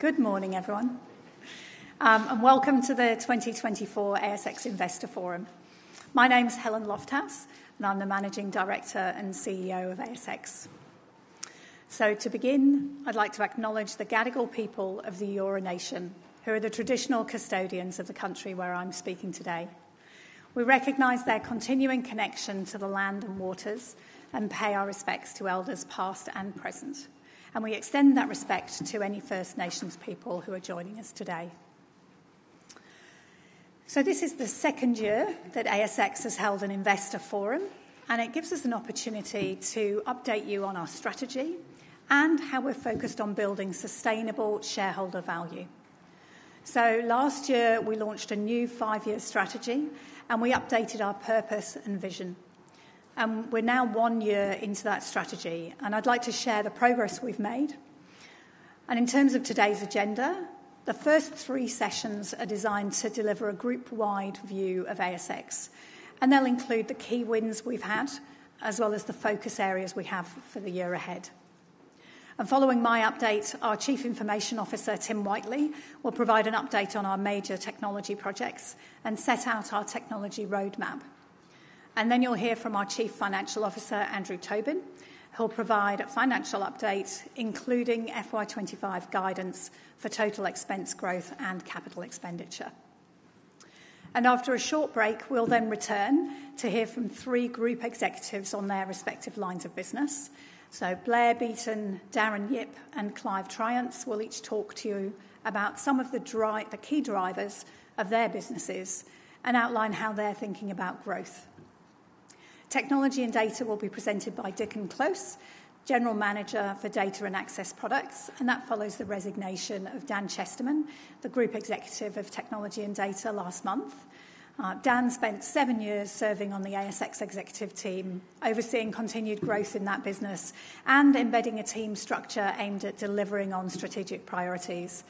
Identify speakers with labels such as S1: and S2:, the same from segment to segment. S1: Good morning, everyone, and welcome to the 2024 ASX Investor Forum. My name is Helen Lofthouse, and I'm the Managing Director and CEO of ASX. To begin, I'd like to acknowledge the Gadigal people of the Eora Nation, who are the traditional custodians of the Country where I'm speaking today. We recognize their continuing connection to the land and waters and pay our respects to Elders past and present. We extend that respect to any First Nations people who are joining us today. This is the second year that ASX has held an Investor Forum, and it gives us an opportunity to update you on our strategy and how we're focused on building sustainable shareholder value. Last year we launched a new five-year strategy, and we updated our purpose and vision. We're now one year into that strategy, and I'd like to share the progress we've made. In terms of today's agenda, the first three sessions are designed to deliver a group-wide view of ASX, and they'll include the key wins we've had, as well as the focus areas we have for the year ahead. Following my updates, our Chief Information Officer, Tim Whiteley, will provide an update on our major technology projects and set out our technology roadmap. Then you'll hear from our Chief Financial Officer, Andrew Tobin, who'll provide a financial update, including FY25 guidance for total expense growth and capital expenditure. After a short break, we'll then return to hear from three group executives on their respective lines of business. So, Blair Beeton, Darren Yip, and Clive Triance will each talk to you about some of the key drivers of their businesses and outline how they're thinking Technology and Data will be presented by Dickon Close, General Manager for Data and Access Products, and that follows the resignation of Dan Chesterman, the Group Technology and Data, last month. Darren spent seven years serving on the ASX executive team, overseeing continued growth in that business and embedding a team structure aimed at delivering on strategic priorities.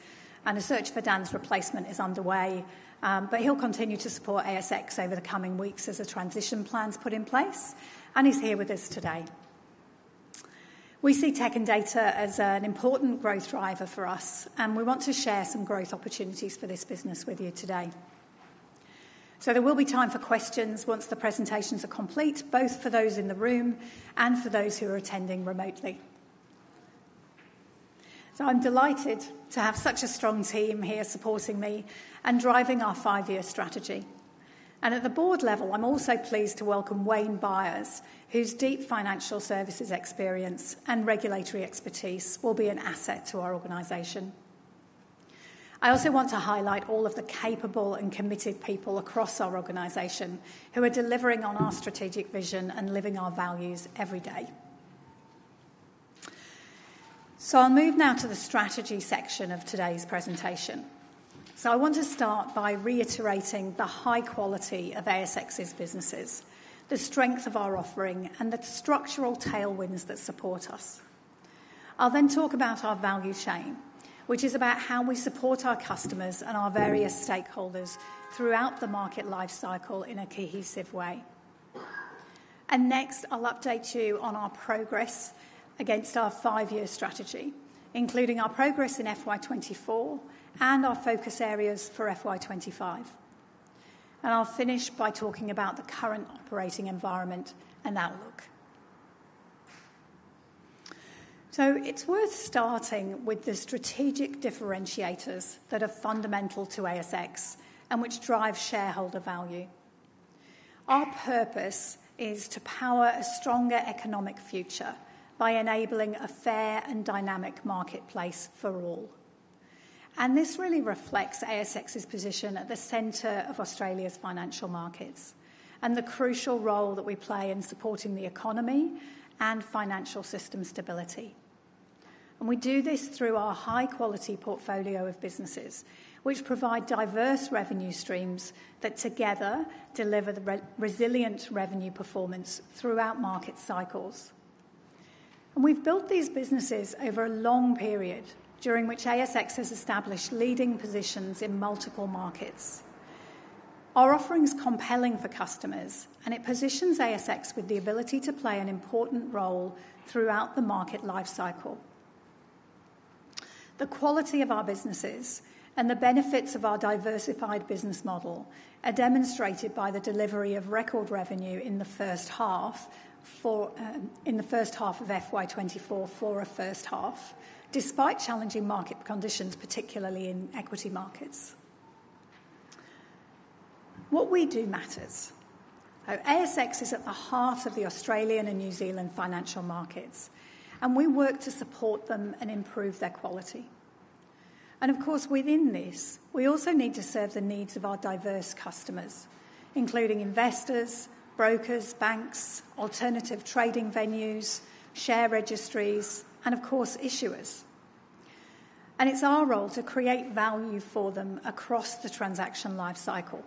S1: And a search for Dan's replacement is underway, but he'll continue to support ASX over the coming weeks as the transition plan's put in place, and he's here with us today. We see tech and data as an important growth driver for us, and we want to share some growth opportunities for this business with you today. There will be time for questions once the presentations are complete, both for those in the room and for those who are attending remotely. I'm delighted to have such a strong team here supporting me and driving our five-year strategy. At the board level, I'm also pleased to welcome Wayne Byres, whose deep financial services experience and regulatory expertise will be an asset to our organization. I also want to highlight all of the capable and committed people across our organization who are delivering on our strategic vision and living our values every day. I'll move now to the strategy section of today's presentation. I want to start by reiterating the high quality of ASX's businesses, the strength of our offering, and the structural tailwinds that support us. I'll then talk about our value chain, which is about how we support our customers and our various stakeholders throughout the market life cycle in a cohesive way. Next, I'll update you on our progress against our five-year strategy, including our progress in FY24 and our focus areas for FY25. I'll finish by talking about the current operating environment and outlook. It's worth starting with the strategic differentiators that are fundamental to ASX and which drive shareholder value. Our purpose is to power a stronger economic future by enabling a fair and dynamic marketplace for all. This really reflects ASX's position at the center of Australia's financial markets and the crucial role that we play in supporting the economy and financial system stability. We do this through our high-quality portfolio of businesses, which provide diverse revenue streams that together deliver resilient revenue performance throughout market cycles. We've built these businesses over a long period during which ASX has established leading positions in multiple markets. Our offering's compelling for customers, and it positions ASX with the ability to play an important role throughout the market life cycle. The quality of our businesses and the benefits of our diversified business model are demonstrated by the delivery of record revenue in the first half of FY24 for a first half, despite challenging market conditions, particularly in equity markets. What we do matters. ASX is at the heart of the Australian and New Zealand financial markets, and we work to support them and improve their quality. Of course, within this, we also need to serve the needs of our diverse customers, including investors, brokers, banks, alternative trading venues, share registries, and of course, issuers. It's our role to create value for them across the transaction life cycle.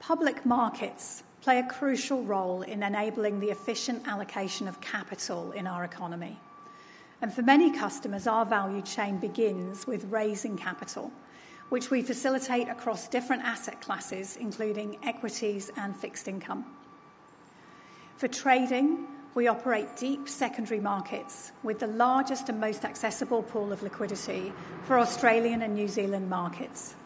S1: Public markets play a crucial role in enabling the efficient allocation of capital in our economy. For many customers, our value chain begins with raising capital, which we facilitate across different asset classes, including equities and fixed income. For trading, we operate deep secondary markets with the largest and most accessible pool of liquidity for Australian and New Zealand markets.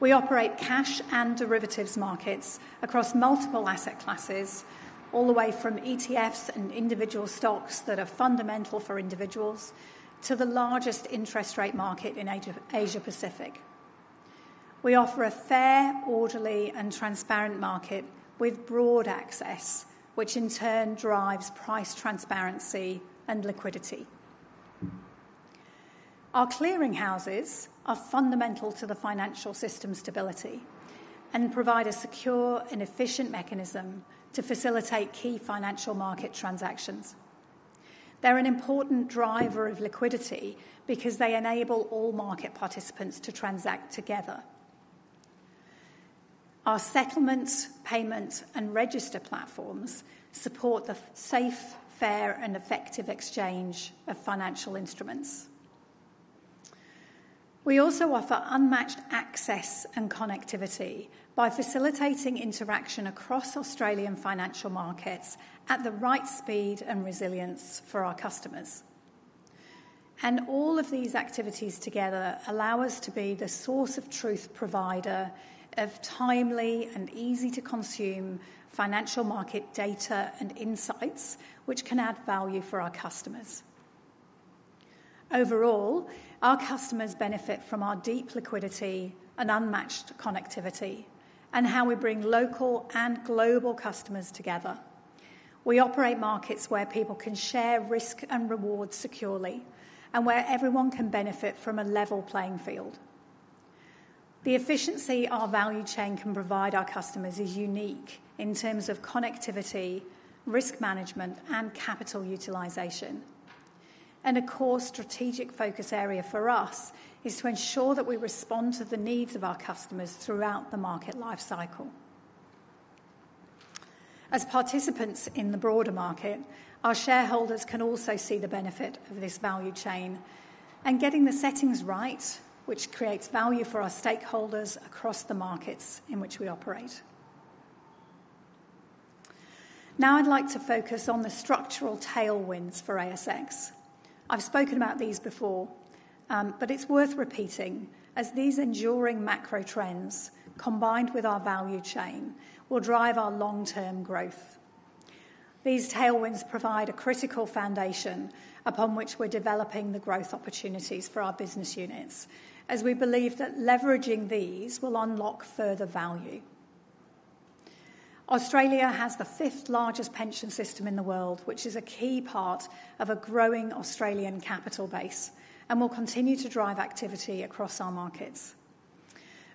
S1: We operate cash and derivatives markets across multiple asset classes, all the way from ETFs and individual stocks that are fundamental for individuals to the largest interest rate market in Asia Pacific. We offer a fair, orderly, and transparent market with broad access, which in turn drives price transparency and liquidity. Our clearing houses are fundamental to the financial system stability and provide a secure and efficient mechanism to facilitate key financial market transactions. They're an important driver of liquidity because they enable all market participants to transact together. Our settlements, payments, and register platforms support the safe, fair, and effective exchange of financial instruments. We also offer unmatched access and connectivity by facilitating interaction across Australian financial markets at the right speed and resilience for our customers. All of these activities together allow us to be the source of truth provider of timely and easy-to-consume financial market data and insights, which can add value for our customers. Overall, our customers benefit from our deep liquidity and unmatched connectivity and how we bring local and global customers together. We operate markets where people can share risk and reward securely and where everyone can benefit from a level playing field. The efficiency our value chain can provide our customers is unique in terms of connectivity, risk management, and capital utilization. Of course, strategic focus area for us is to ensure that we respond to the needs of our customers throughout the market life cycle. As participants in the broader market, our shareholders can also see the benefit of this value chain and getting the settings right, which creates value for our stakeholders across the markets in which we operate. Now I'd like to focus on the structural tailwinds for ASX. I've spoken about these before, but it's worth repeating as these enduring macro trends combined with our value chain will drive our long-term growth. These tailwinds provide a critical foundation upon which we're developing the growth opportunities for our business units, as we believe that leveraging these will unlock further value. Australia has the fifth largest pension system in the world, which is a key part of a growing Australian capital base and will continue to drive activity across our markets.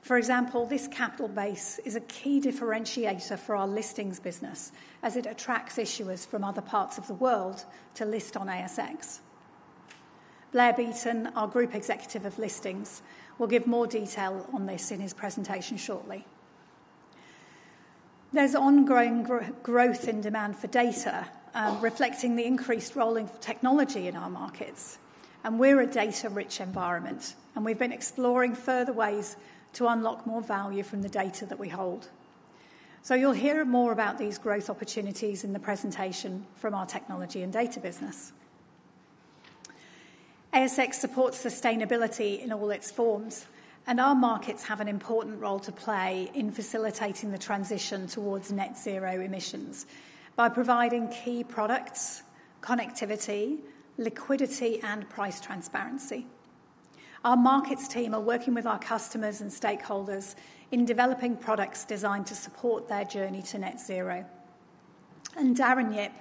S1: For example, this capital base is a key differentiator for our listings business, as it attracts issuers from other parts of the world to list on ASX. Blair Beeton, our Group Executive of Listings, will give more detail on this in his presentation shortly. There's ongoing growth in demand for data, reflecting the increased role in technology in our markets. We're a data-rich environment, and we've been exploring further ways to unlock more value from the data that we hold. So, you'll hear more about these growth opportunities in the presentation Technology and Data business. ASX supports sustainability in all its forms, and our markets have an important role to play in facilitating the transition towards Net Zero emissions by providing key products, connectivity, liquidity, and price transparency. Our markets team are working with our customers and stakeholders in developing products designed to support their journey to Net Zero. Darren Yip,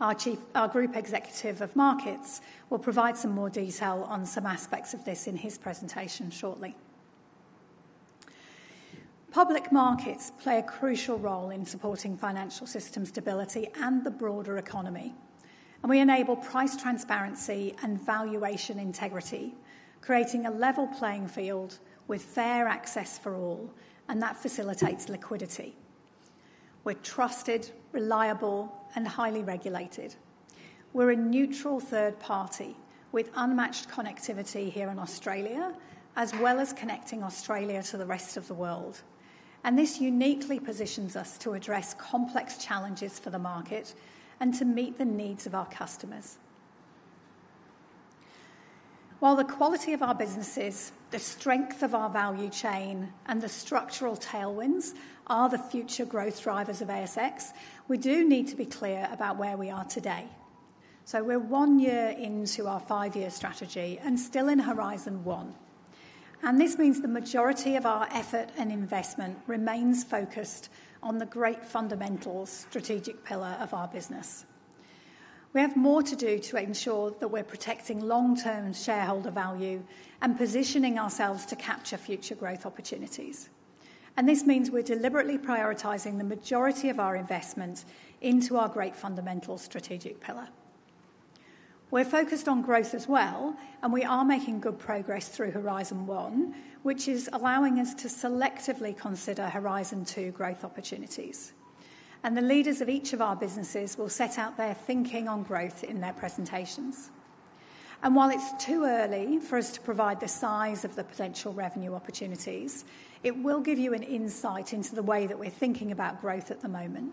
S1: our Group Executive of Markets, will provide some more detail on some aspects of this in his presentation shortly. Public markets play a crucial role in supporting financial system stability and the broader economy. We enable price transparency and valuation integrity, creating a level playing field with fair access for all, and that facilitates liquidity. We're trusted, reliable, and highly regulated. We're a neutral third party with unmatched connectivity here in Australia, as well as connecting Australia to the rest of the world. This uniquely positions us to address complex challenges for the market and to meet the needs of our customers. While the quality of our businesses, the strength of our value chain, and the structural tailwinds are the future growth drivers of ASX, we do need to be clear about where we are today. We're one year into our five-year strategy and still Horizon One. this means the majority of our effort and investment remains focused on Great Fundamentals, strategic pillar of our business. We have more to do to ensure that we're protecting long-term shareholder value and positioning ourselves to capture future growth opportunities. This means we're deliberately prioritizing the majority of our investment into Great Fundamentals, strategic pillar. We're focused on growth as well, and we are making good progress Horizon One, which is allowing us to selectively consider Horizon Two growth opportunities. The leaders of each of our businesses will set out their thinking on growth in their presentations. While it's too early for us to provide the size of the potential revenue opportunities, it will give you an insight into the way that we're thinking about growth at the moment.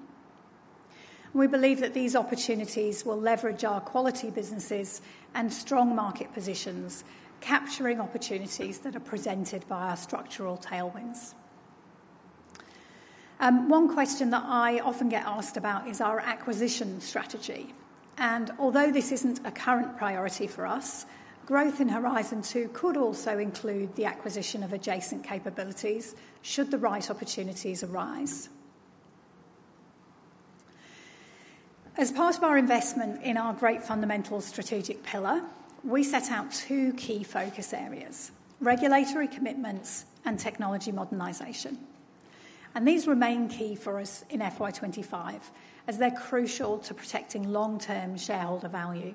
S1: We believe that these opportunities will leverage our quality businesses and strong market positions, capturing opportunities that are presented by our structural tailwinds. One question that I often get asked about is our acquisition strategy. Although this isn't a current priority for us, growth in Horizon Two could also include the acquisition of adjacent capabilities should the right opportunities arise. As part of our investment in Great Fundamentals, strategic pillar, we set out two key focus areas: regulatory commitments and technology modernization. These remain key for us in FY25, as they're crucial to protecting long-term shareholder value.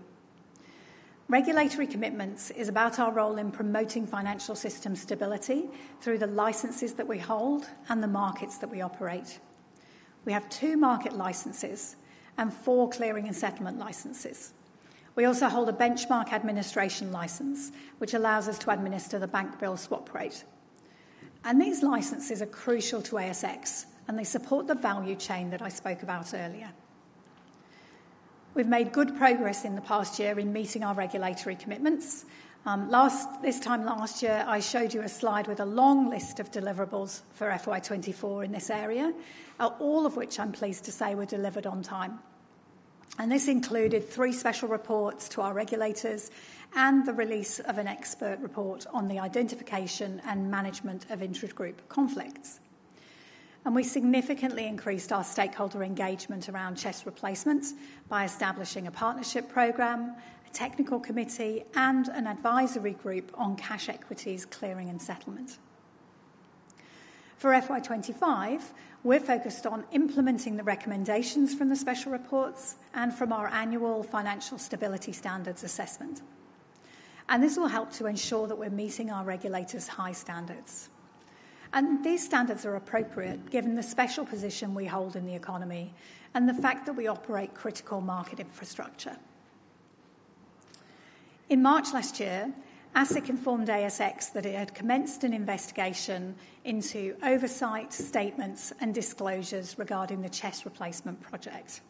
S1: Regulatory commitments is about our role in promoting financial system stability through the licenses that we hold and the markets that we operate. We have two market licenses and four clearing and settlement licenses. We also hold a benchmark administration license, which allows us to administer the Bank Bill Swap Rate. These licenses are crucial to ASX, and they support the value chain that I spoke about earlier. We've made good progress in the past year in meeting our regulatory commitments. This time last year, I showed you a slide with a long list of deliverables for FY24 in this area, all of which I'm pleased to say were delivered on time. This included three special reports to our regulators and the release of an expert report on the identification and management of intergroup conflicts. We significantly increased our stakeholder engagement around CHESS replacements by establishing a partnership program, a technical committee, and an advisory group on cash equities clearing and settlement. For FY25, we're focused on implementing the recommendations from the special reports and from our annual Financial Stability Standards assessment. This will help to ensure that we're meeting our regulators' high standards. These standards are appropriate given the special position we hold in the economy and the fact that we operate critical market infrastructure. In March last year, ASIC informed ASX that it had commenced an investigation into oversight statements and disclosures regarding the CHESS replacement project.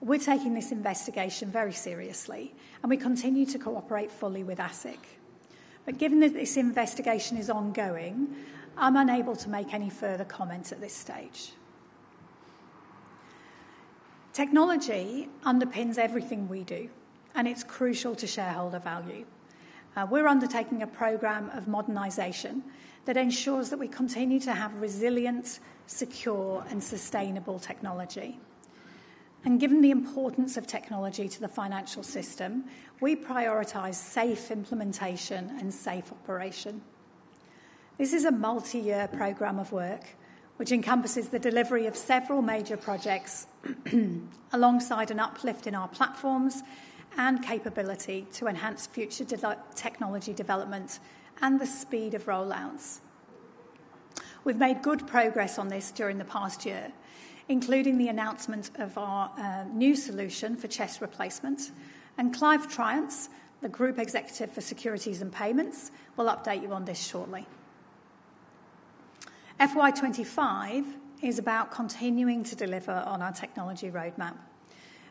S1: We're taking this investigation very seriously, and we continue to cooperate fully with ASIC. Given that this investigation is ongoing, I'm unable to make any further comments at this stage. Technology underpins everything we do, and it's crucial to shareholder value. We're undertaking a program of modernization that ensures that we continue to have resilient, secure, and sustainable technology. Given the importance of technology to the financial system, we prioritize safe implementation and safe operation. This is a multi-year program of work, which encompasses the delivery of several major projects alongside an uplift in our platforms and capability to enhance future technology development and the speed of rollouts. We've made good progress on this during the past year, including the announcement of our new solution for CHESS replacement. And Clive Triance, the Group Securities and Payments, will update you on this shortly. FY25 is about continuing to deliver on our technology roadmap.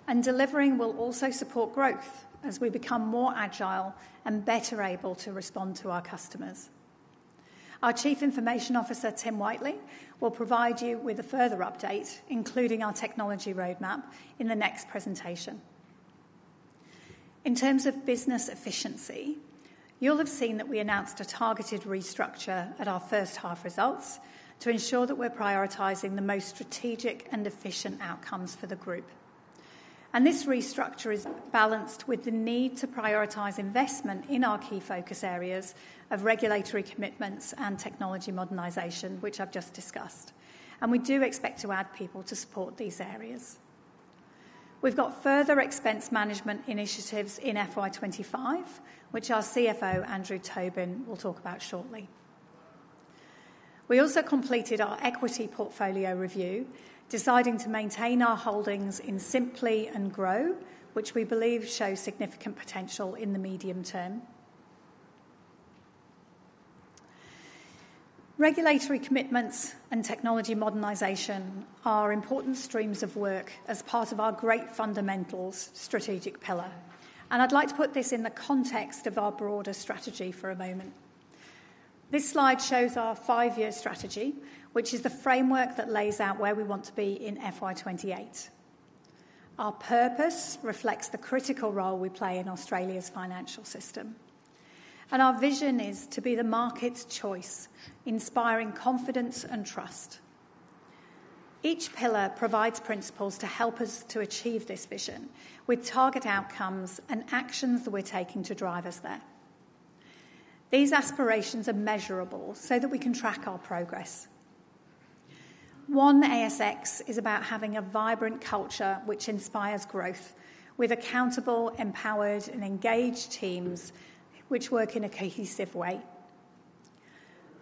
S1: And delivering will also support growth as we become more agile and better able to respond to our customers. Our Chief Information Officer, Tim Whiteley, will provide you with a further update, including our technology roadmap, in the next presentation. In terms of business efficiency, you'll have seen that we announced a targeted restructure at our first half results to ensure that we're prioritizing the most strategic and efficient outcomes for the group. And this restructure is balanced with the need to prioritize investment in our key focus areas of regulatory commitments and technology modernization, which I've just discussed. We do expect to add people to support these areas. We've got further expense management initiatives in FY25, which our CFO, Andrew Tobin, will talk about shortly. We also completed our equity portfolio review, deciding to maintain our holdings in Sympli and Grow, which we believe shows significant potential in the medium term. Regulatory commitments and technology modernization are important streams of work as part of Great Fundamentals, strategic pillar. I'd like to put this in the context of our broader strategy for a moment. This slide shows our five-year strategy, which is the framework that lays out where we want to be in FY28. Our purpose reflects the critical role we play in Australia's financial system. Our vision is to be the market's choice, inspiring confidence and trust. Each pillar provides principles to help us achieve this vision with target outcomes and actions that we're taking to drive us there. These aspirations are measurable so that we can track our progress. One ASX is about having a vibrant culture which inspires growth with accountable, empowered, and engaged teams which work in a cohesive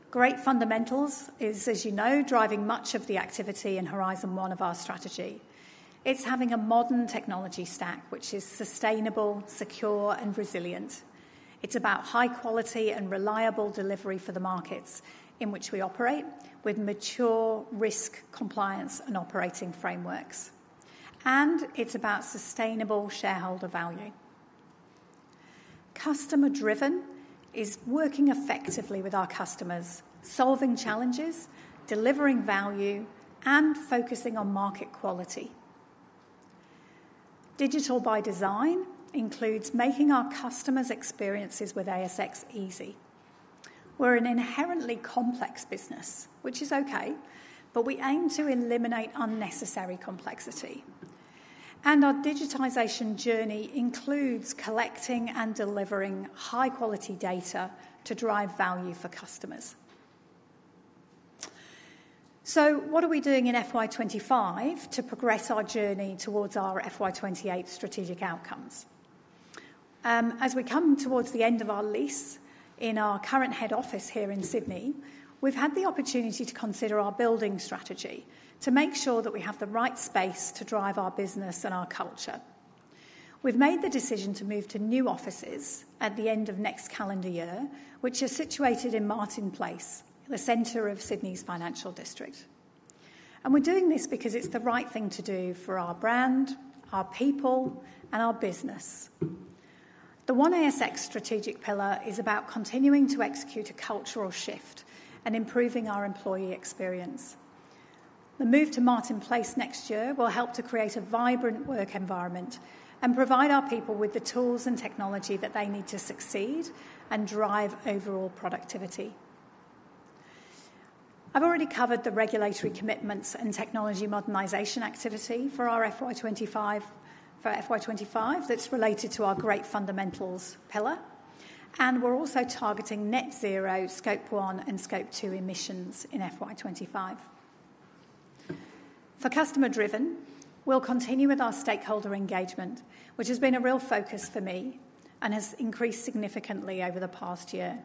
S1: Great Fundamentals is, as you know, driving much of the activity Horizon One of our strategy. It's having a modern technology stack which is sustainable, secure, and resilient. It's about high-quality and reliable delivery for the markets in which we operate with mature risk compliance and operating frameworks. It's about sustainable shareholder value. Customer-Driven is working effectively with our customers, solving challenges, delivering value, and focusing on market quality. Digital by Design includes making our customers' experiences with ASX easy. We're an inherently complex business, which is okay, but we aim to eliminate unnecessary complexity. Our digitization journey includes collecting and delivering high-quality data to drive value for customers. So, what are we doing in FY25 to progress our journey towards our FY28 strategic outcomes? As we come towards the end of our lease in our current head office here in Sydney, we've had the opportunity to consider our building strategy to make sure that we have the right space to drive our business and our culture. We've made the decision to move to new offices at the end of next calendar year, which are situated in Martin Place, the center of Sydney's financial district. We're doing this because it's the right thing to do for our brand, our people, and our business. The One ASX strategic pillar is about continuing to execute a cultural shift and improving our employee experience. The move to Martin Place next year will help to create a vibrant work environment and provide our people with the tools and technology that they need to succeed and drive overall productivity. I've already covered the regulatory commitments and technology modernization activity for our FY25 that's related to Great Fundamentals pillar. We're also targeting Net Zero, Scope one, and Scope two emissions in FY25. For Customer-Driven, we'll continue with our stakeholder engagement, which has been a real focus for me and has increased significantly over the past year.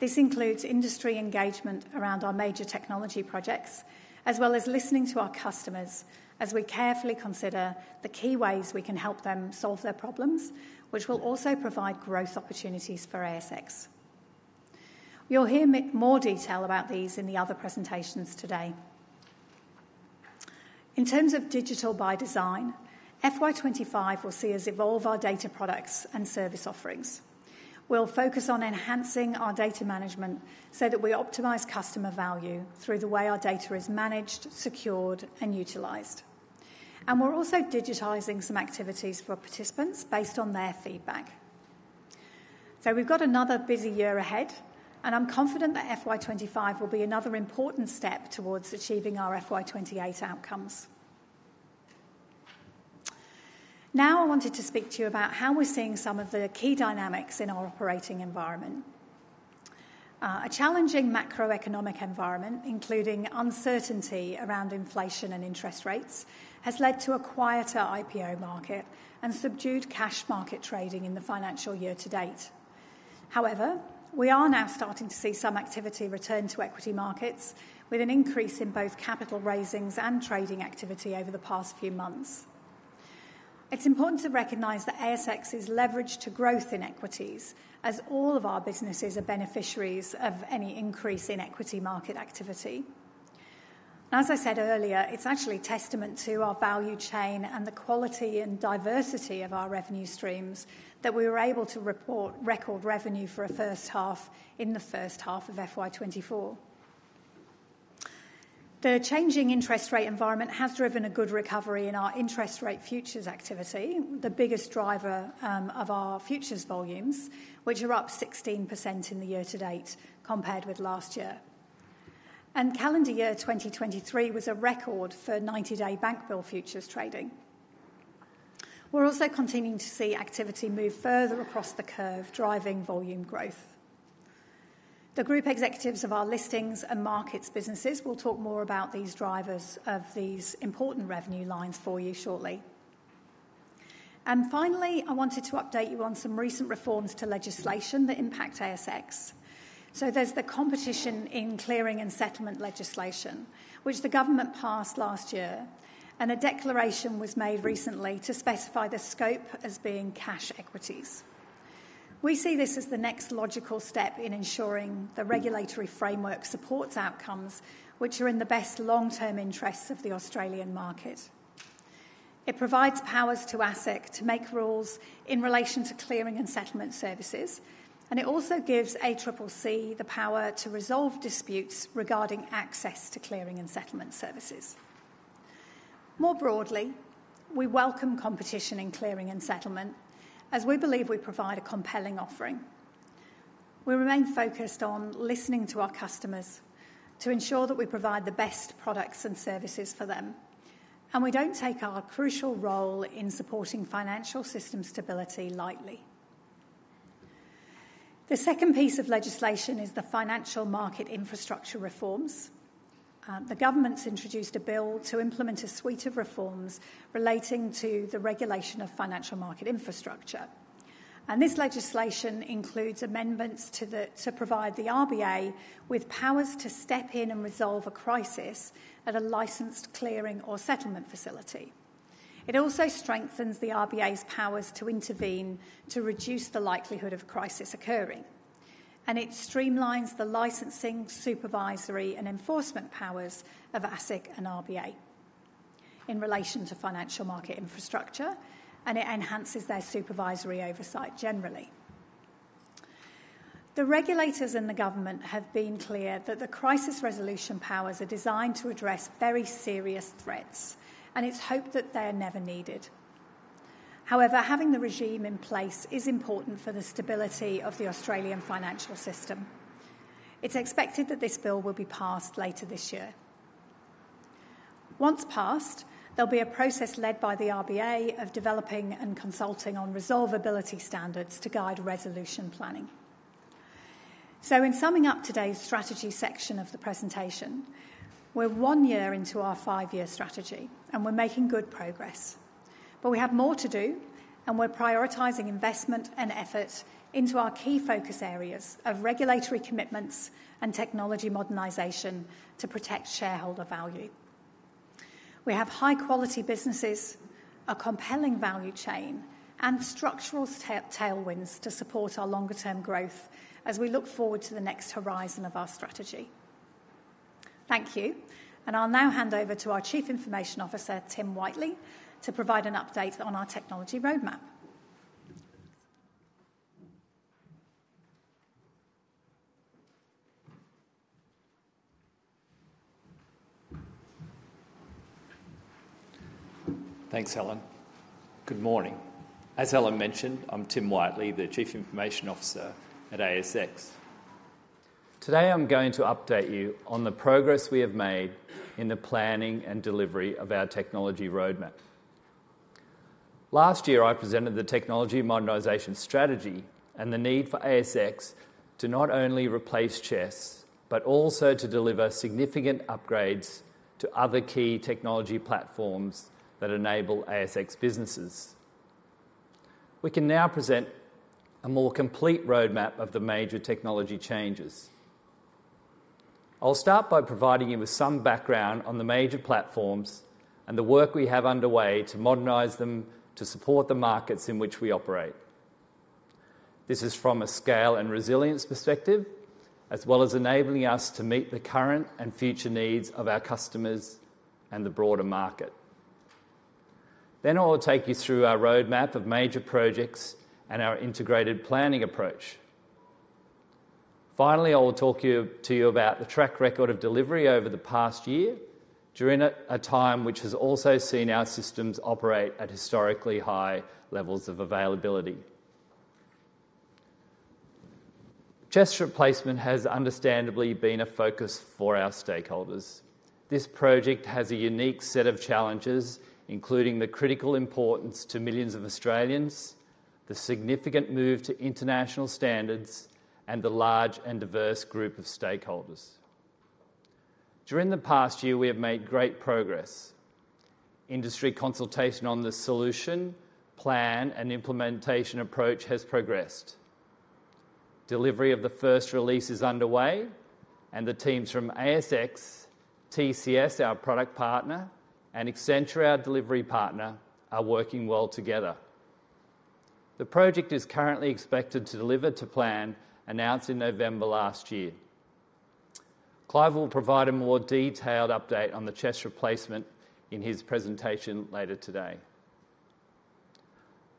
S1: This includes industry engagement around our major technology projects, as well as listening to our customers as we carefully consider the key ways we can help them solve their problems, which will also provide growth opportunities for ASX. You'll hear more detail about these in the other presentations today. In terms of digital by design, FY25 will see us evolve our data products and service offerings. We'll focus on enhancing our data management so that we optimize customer value through the way our data is managed, secured, and utilized. And we're also digitizing some activities for participants based on their feedback. So, we've got another busy year ahead, and I'm confident that FY25 will be another important step towards achieving our FY28 outcomes. Now, I wanted to speak to you about how we're seeing some of the key dynamics in our operating environment. A challenging macroeconomic environment, including uncertainty around inflation and interest rates, has led to a quieter IPO market and subdued cash market trading in the financial year to date. However, we are now starting to see some activity return to equity markets with an increase in both capital raisings and trading activity over the past few months. It's important to recognize that ASX is leveraged to growth in equities, as all of our businesses are beneficiaries of any increase in equity market activity. As I said earlier, it's actually testament to our value chain and the quality and diversity of our revenue streams that we were able to report record revenue for a first half in the first half of FY 2024. The changing interest rate environment has driven a good recovery in our interest rate futures activity, the biggest driver of our futures volumes, which are up 16% in the year to date compared with last year. Calendar year 2023 was a record for 90-day Bank Bill Futures trading. We're also continuing to see activity move further across the curve, driving volume growth. The group executives of our listings and markets businesses will talk more about these drivers of these important revenue lines for you shortly. And finally, I wanted to update you on some recent reforms to legislation that impact ASX. So, there's the competition in clearing and settlement legislation, which the government passed last year, and a declaration was made recently to specify the scope as being cash equities. We see this as the next logical step in ensuring the regulatory framework supports outcomes which are in the best long-term interests of the Australian market. It provides powers to ASIC to make rules in relation to clearing and settlement services, and it also gives ACCC the power to resolve disputes regarding access to clearing and settlement services. More broadly, we welcome competition in clearing and settlement as we believe we provide a compelling offering. We remain focused on listening to our customers to ensure that we provide the best products and services for them, and we don't take our crucial role in supporting financial system stability lightly. The second piece of legislation is the financial market infrastructure reforms. The government's introduced a bill to implement a suite of reforms relating to the regulation of financial market infrastructure. This legislation includes amendments to provide the RBA with powers to step in and resolve a crisis at a licensed clearing or settlement facility. It also strengthens the RBA's powers to intervene to reduce the likelihood of crisis occurring. It streamlines the licensing, supervisory, and enforcement powers of ASIC and RBA in relation to financial market infrastructure, and it enhances their supervisory oversight generally. The regulators and the government have been clear that the crisis resolution powers are designed to address very serious threats, and it's hoped that they are never needed. However, having the regime in place is important for the stability of the Australian financial system. It's expected that this bill will be passed later this year. Once passed, there'll be a process led by the RBA of developing and consulting on resolvability standards to guide resolution planning. In summing up today's strategy section of the presentation, we're one year into our five-year strategy, and we're making good progress. But we have more to do, and we're prioritizing investment and effort into our key focus areas of regulatory commitments and technology modernization to protect shareholder value. We have high-quality businesses, a compelling value chain, and structural tailwinds to support our longer-term growth as we look forward to the next horizon of our strategy. Thank you. I'll now hand over to our Chief Information Officer, Tim Whiteley, to provide an update on our technology roadmap.
S2: Thanks, Helen. Good morning. As Helen mentioned, I'm Tim Whiteley, the Chief Information Officer at ASX. Today, I'm going to update you on the progress we have made in the planning and delivery of our technology roadmap. Last year, I presented the technology modernization strategy and the need for ASX to not only replace CHESS, but also to deliver significant upgrades to other key technology platforms that enable ASX businesses. We can now present a more complete roadmap of the major technology changes. I'll start by providing you with some background on the major platforms and the work we have underway to modernize them to support the markets in which we operate. This is from a scale and resilience perspective, as well as enabling us to meet the current and future needs of our customers and the broader market. Then, I'll take you through our roadmap of major projects and our integrated planning approach. Finally, I will talk to you about the track record of delivery over the past year during a time which has also seen our systems operate at historically high levels of availability. CHESS replacement has understandably been a focus for our stakeholders. This project has a unique set of challenges, including the critical importance to millions of Australians, the significant move to international standards, and the large and diverse group of stakeholders. During the past year, we have made great progress. Industry consultation on the solution, plan, and implementation approach has progressed. Delivery of the first release is underway, and the teams from ASX, TCS, our product partner, and Accenture, our delivery partner, are working well together. The project is currently expected to deliver to plan announced in November last year. Clive will provide a more detailed update on the CHESS replacement in his presentation later today.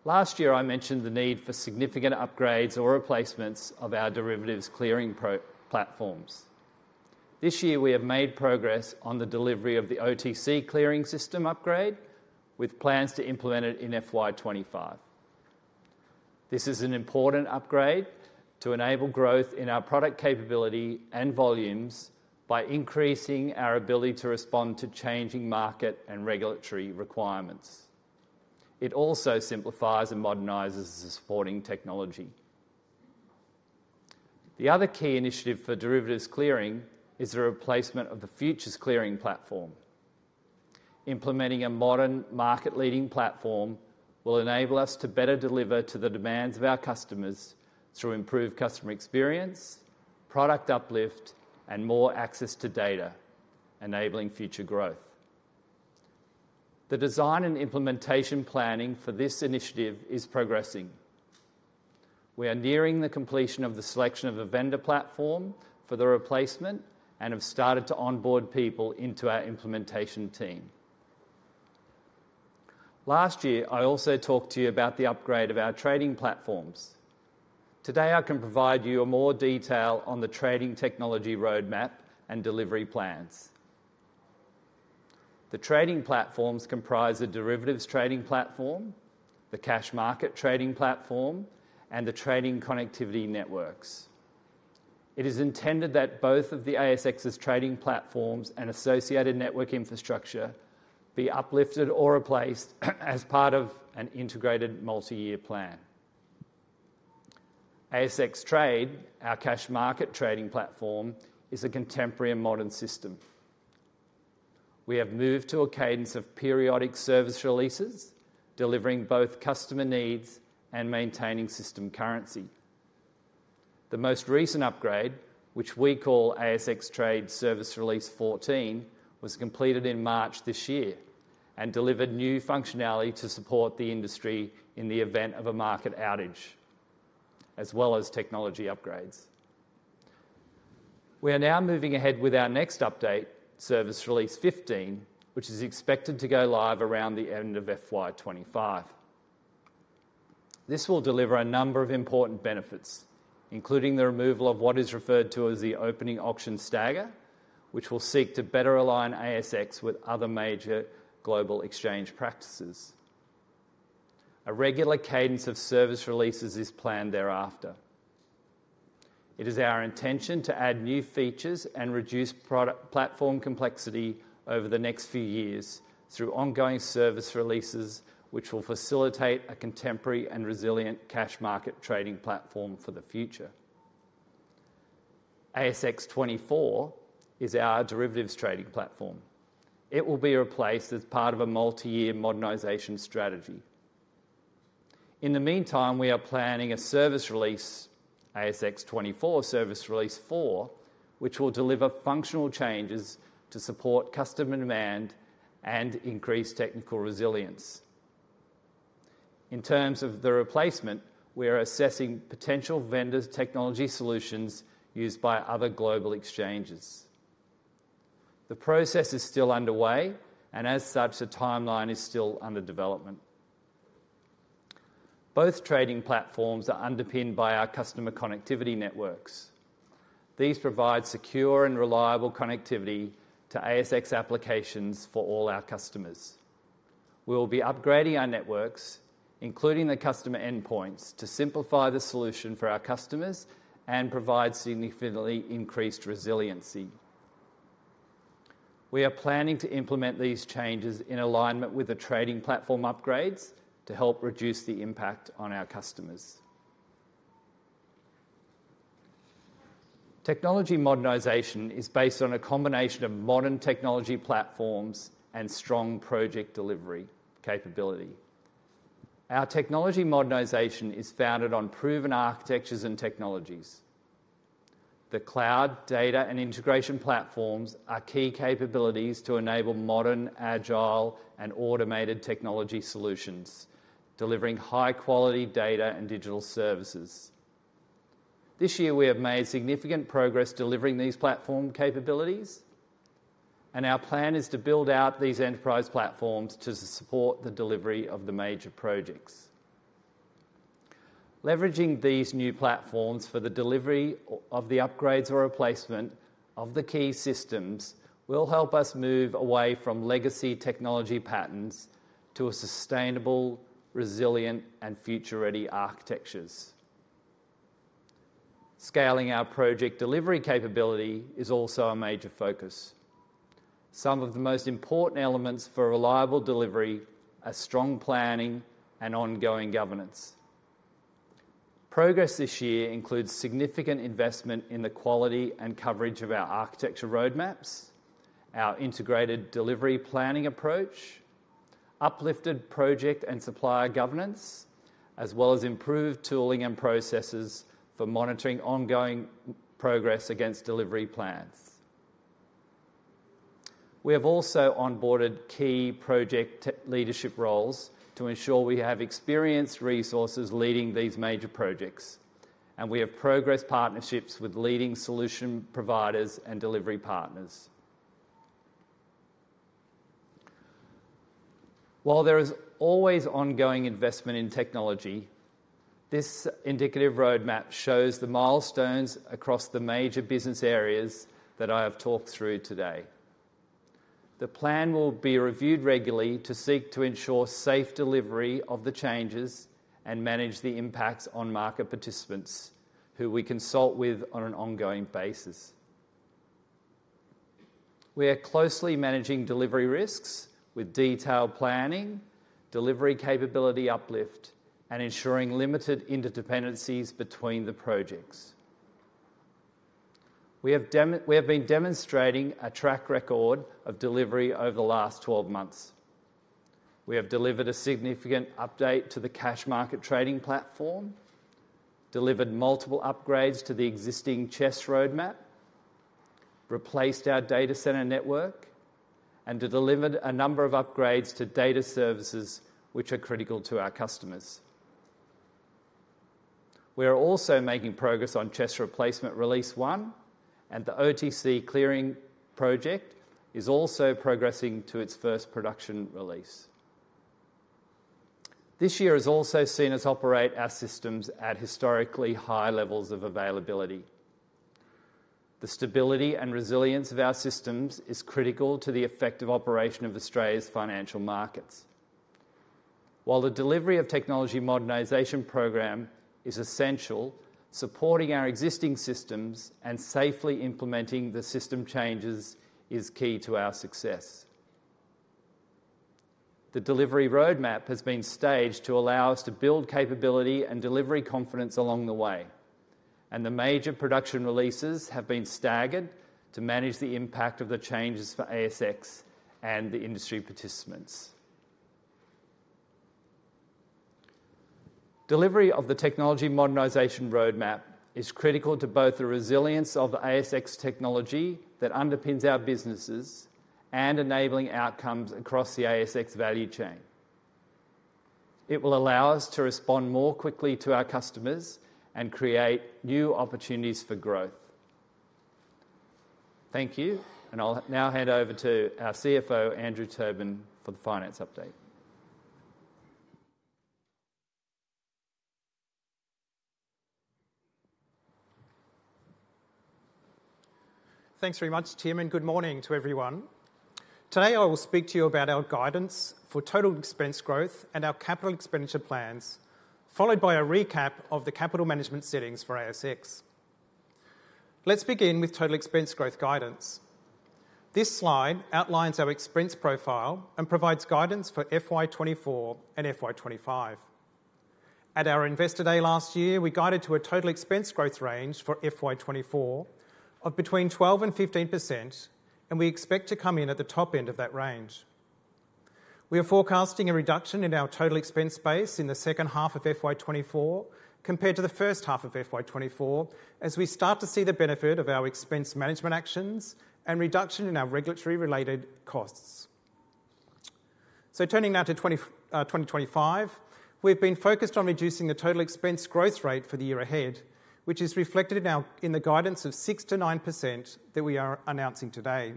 S2: Last year, I mentioned the need for significant upgrades or replacements of our derivatives clearing platforms. This year, we have made progress on the delivery of the OTC clearing system upgrade, with plans to implement it in FY25. This is an important upgrade to enable growth in our product capability and volumes by increasing our ability to respond to changing market and regulatory requirements. It also simplifies and modernizes the supporting technology. The other key initiative for derivatives clearing is the replacement of the futures clearing platform. Implementing a modern market-leading platform will enable us to better deliver to the demands of our customers through improved customer experience, product uplift, and more access to data, enabling future growth. The design and implementation planning for this initiative is progressing. We are nearing the completion of the selection of a vendor platform for the replacement and have started to onboard people into our implementation team. Last year, I also talked to you about the upgrade of our trading platforms. Today, I can provide you with more detail on the trading technology roadmap and delivery plans. The trading platforms comprise a derivatives trading platform, the cash market trading platform, and the trading connectivity networks. It is intended that both of the ASX's trading platforms and associated network infrastructure be uplifted or replaced as part of an integrated multi-year plan. ASX Trade, our cash market trading platform, is a contemporary and modern system. We have moved to a cadence of periodic service releases, delivering both customer needs and maintaining system currency. The most recent upgrade, which we call ASX Trade Service Release 14, was completed in March this year and delivered new functionality to support the industry in the event of a market outage, as well as technology upgrades. We are now moving ahead with our next update, Service Release 15, which is expected to go live around the end of FY25. This will deliver a number of important benefits, including the removal of what is referred to as the opening auction stagger, which will seek to better align ASX with other major global exchange practices. A regular cadence of service releases is planned thereafter. It is our intention to add new features and reduce platform complexity over the next few years through ongoing service releases, which will facilitate a contemporary and resilient cash market trading platform for the future. ASX 24 is our derivatives trading platform. It will be replaced as part of a multi-year modernization strategy. In the meantime, we are planning a service release, ASX 24 Service Release four, which will deliver functional changes to support customer demand and increase technical resilience. In terms of the replacement, we are assessing potential vendors' technology solutions used by other global exchanges. The process is still underway, and as such, the timeline is still under development. Both trading platforms are underpinned by our customer connectivity networks. These provide secure and reliable connectivity to ASX applications for all our customers. We will be upgrading our networks, including the customer endpoints, to simplify the solution for our customers and provide significantly increased resiliency. We are planning to implement these changes in alignment with the trading platform upgrades to help reduce the impact on our customers. Technology modernization is based on a combination of modern technology platforms and strong project delivery capability. Our technology modernization is founded on proven architectures and technologies. The cloud, data, and integration platforms are key capabilities to enable modern, agile, and automated technology solutions, delivering high-quality data and digital services. This year, we have made significant progress delivering these platform capabilities, and our plan is to build out these enterprise platforms to support the delivery of the major projects. Leveraging these new platforms for the delivery of the upgrades or replacement of the key systems will help us move away from legacy technology patterns to sustainable, resilient, and future-ready architectures. Scaling our project delivery capability is also a major focus. Some of the most important elements for reliable delivery are strong planning and ongoing governance. Progress this year includes significant investment in the quality and coverage of our architecture roadmaps, our integrated delivery planning approach, uplifted project and supplier governance, as well as improved tooling and processes for monitoring ongoing progress against delivery plans. We have also onboarded key project leadership roles to ensure we have experienced resources leading these major projects, and we have progressed partnerships with leading solution providers and delivery partners. While there is always ongoing investment in technology, this indicative roadmap shows the milestones across the major business areas that I have talked through today. The plan will be reviewed regularly to seek to ensure safe delivery of the changes and manage the impacts on market participants who we consult with on an ongoing basis. We are closely managing delivery risks with detailed planning, delivery capability uplift, and ensuring limited interdependencies between the projects. We have been demonstrating a track record of delivery over the last 12 months. We have delivered a significant update to the cash market trading platform, delivered multiple upgrades to the existing CHESS roadmap, replaced our data center network, and delivered a number of upgrades to data services which are critical to our customers. We are also making progress on CHESS replacement release one, and the OTC clearing project is also progressing to its first production release. This year has also seen us operate our systems at historically high levels of availability. The stability and resilience of our systems is critical to the effective operation of Australia's financial markets. While the delivery of technology modernization program is essential, supporting our existing systems and safely implementing the system changes is key to our success. The delivery roadmap has been staged to allow us to build capability and delivery confidence along the way, and the major production releases have been staggered to manage the impact of the changes for ASX and the industry participants. Delivery of the technology modernization roadmap is critical to both the resilience of the ASX technology that underpins our businesses and enabling outcomes across the ASX value chain. It will allow us to respond more quickly to our customers and create new opportunities for growth. Thank you, and I'll now hand over to our CFO, Andrew Tobin, for the finance update.
S3: Thanks very much, Tim, and good morning to everyone. Today, I will speak to you about our guidance for total expense growth and our capital expenditure plans, followed by a recap of the capital management settings for ASX. Let's begin with total expense growth guidance. This slide outlines our expense profile and provides guidance for FY2024 and FY2025. At our investor day last year, we guided to a total expense growth range for FY2024 of between 12% to 15%, and we expect to come in at the top end of that range. We are forecasting a reduction in our total expense base in the second half of FY2024 compared to the first half of FY2024, as we start to see the benefit of our expense management actions and reduction in our regulatory-related costs. So, turning now to 2025, we've been focused on reducing the total expense growth rate for the year ahead, which is reflected in the guidance of 6% to 9% that we are announcing today.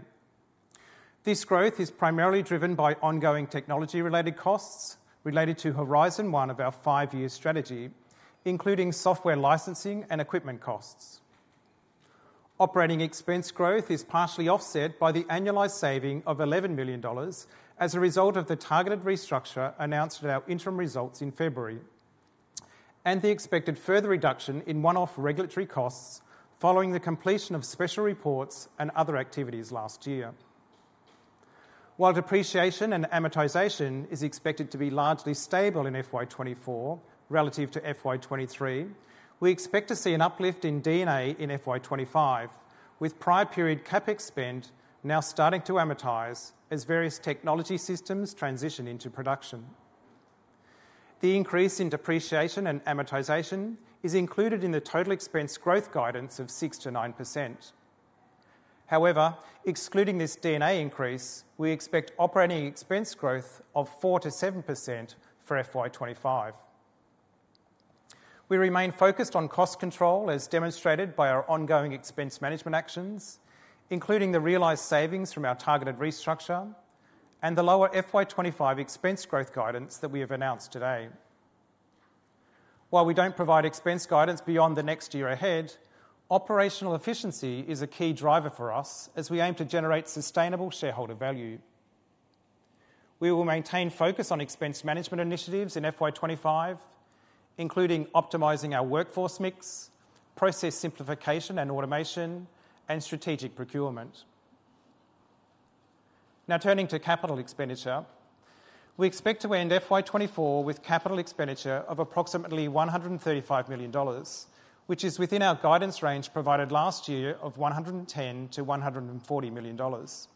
S3: This growth is primarily driven by ongoing technology-related costs related Horizon One of our five-year strategy, including software licensing and equipment costs. Operating expense growth is partially offset by the annualized saving of 11 million dollars as a result of the targeted restructure announced at our interim results in February and the expected further reduction in one-off regulatory costs following the completion of special reports and other activities last year. While depreciation and amortization is expected to be largely stable in FY24 relative to FY23, we expect to see an uplift in D&A in FY25, with prior-period CapEx spend now starting to amortize as various technology systems transition into production. The increase in depreciation and amortization is included in the total expense growth guidance of 6% to 9%. However, excluding this D&A increase, we expect operating expense growth of 4% to 7% for FY25. We remain focused on cost control, as demonstrated by our ongoing expense management actions, including the realized savings from our targeted restructure and the lower FY25 expense growth guidance that we have announced today. While we don't provide expense guidance beyond the next year ahead, operational efficiency is a key driver for us as we aim to generate sustainable shareholder value. We will maintain focus on expense management initiatives in FY25, including optimizing our workforce mix, process simplification and automation, and strategic procurement. Now, turning to capital expenditure, we expect to end FY24 with capital expenditure of approximately 135 million dollars, which is within our guidance range provided last year of 110 million to 140 million dollars.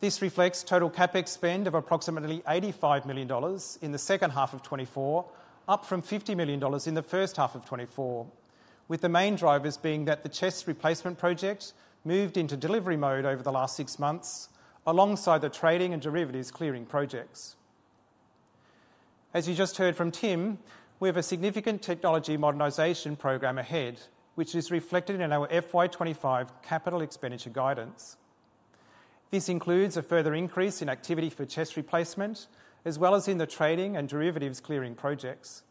S3: This reflects total CapEx spend of approximately 85 million dollars in the second half of 2024, up from 50 million dollars in the first half of 2024, with the main drivers being that the CHESS replacement project moved into delivery mode over the last six months alongside the trading and derivatives clearing projects. As you just heard from Tim, we have a significant technology modernization program ahead, which is reflected in our FY25 capital expenditure guidance. This includes a further increase in activity for CHESS replacement, as well as in the trading and derivatives clearing projects.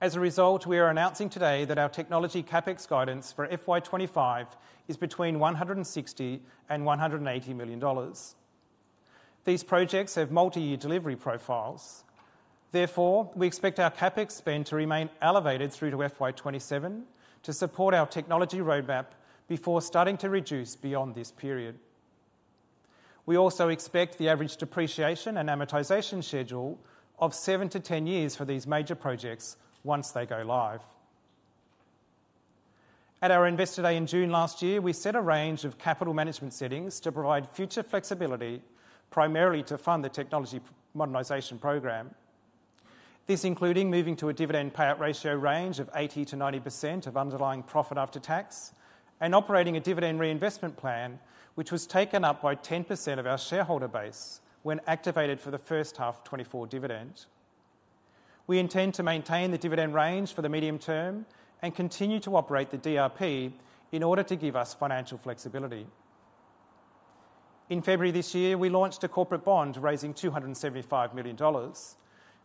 S3: As a result, we are announcing today that our technology CapEx guidance for FY25 is between 160 million and 180 million dollars. These projects have multi-year delivery profiles. Therefore, we expect our CapEx spend to remain elevated through to FY27 to support our technology roadmap before starting to reduce beyond this period. We also expect the average depreciation and amortization schedule of seven to 10 years for these major projects once they go live. At our investor day in June last year, we set a range of capital management settings to provide future flexibility, primarily to fund the technology modernization program. This included moving to a dividend payout ratio range of 80% to 90% of underlying profit after tax and operating a dividend reinvestment plan, which was taken up by 10% of our shareholder base when activated for the first half 2024 dividend. We intend to maintain the dividend range for the medium term and continue to operate the DRP in order to give us financial flexibility. In February this year, we launched a corporate bond raising 275 million dollars.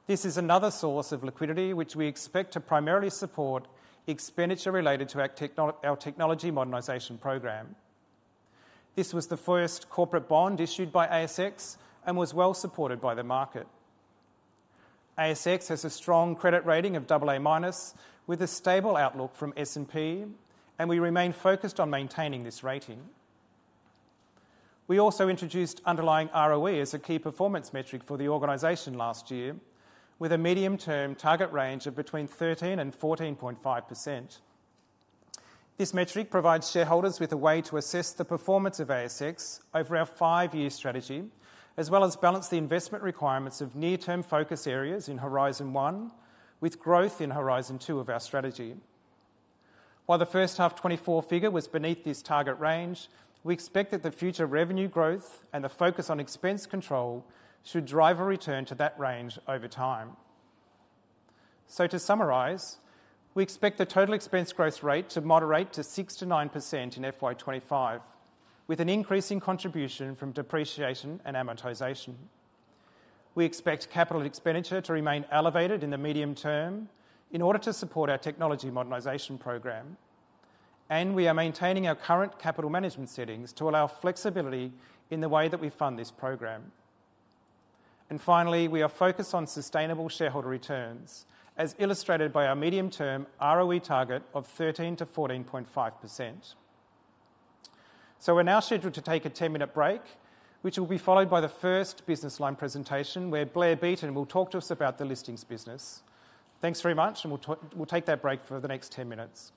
S3: This is another source of liquidity, which we expect to primarily support expenditure related to our technology modernization program. This was the first corporate bond issued by ASX and was well supported by the market. ASX has a strong credit rating of AA-, with a stable outlook from S&P, and we remain focused on maintaining this rating. We also introduced underlying ROE as a key performance metric for the organization last year, with a medium-term target range of between 13% and 14.5%. This metric provides shareholders with a way to assess the performance of ASX over our five-year strategy, as well as balance the investment requirements of near-term focus areas Horizon One, with growth in Horizon Two of our strategy. While the first half 2024 figure was beneath this target range, we expect that the future revenue growth and the focus on expense control should drive a return to that range over time. So, to summarize, we expect the total expense growth rate to moderate to 6% to 9% in FY25, with an increasing contribution from depreciation and amortization. We expect capital expenditure to remain elevated in the medium term in order to support our technology modernization program, and we are maintaining our current capital management settings to allow flexibility in the way that we fund this program. And finally, we are focused on sustainable shareholder returns, as illustrated by our medium-term ROE target of 13% to 14.5%. So, we're now scheduled to take a 10-minute break, which will be followed by the first business line presentation where Blair Beeton will talk to us about the listings business. Thanks very much, and we'll take that break for the next 10 minutes.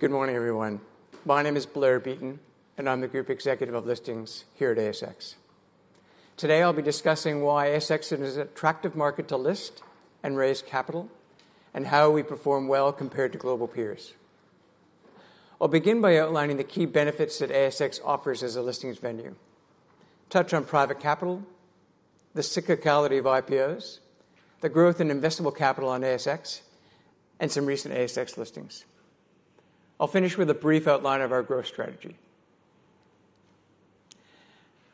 S4: Good morning, everyone. My name is Blair Beeton, and I'm the Group Executive of Listings here at ASX. Today, I'll be discussing why ASX is an attractive market to list and raise capital, and how we perform well compared to global peers. I'll begin by outlining the key benefits that ASX offers as a listings venue, touch on private capital, the cyclicality of IPOs, the growth in investable capital on ASX, and some recent ASX listings. I'll finish with a brief outline of our growth strategy.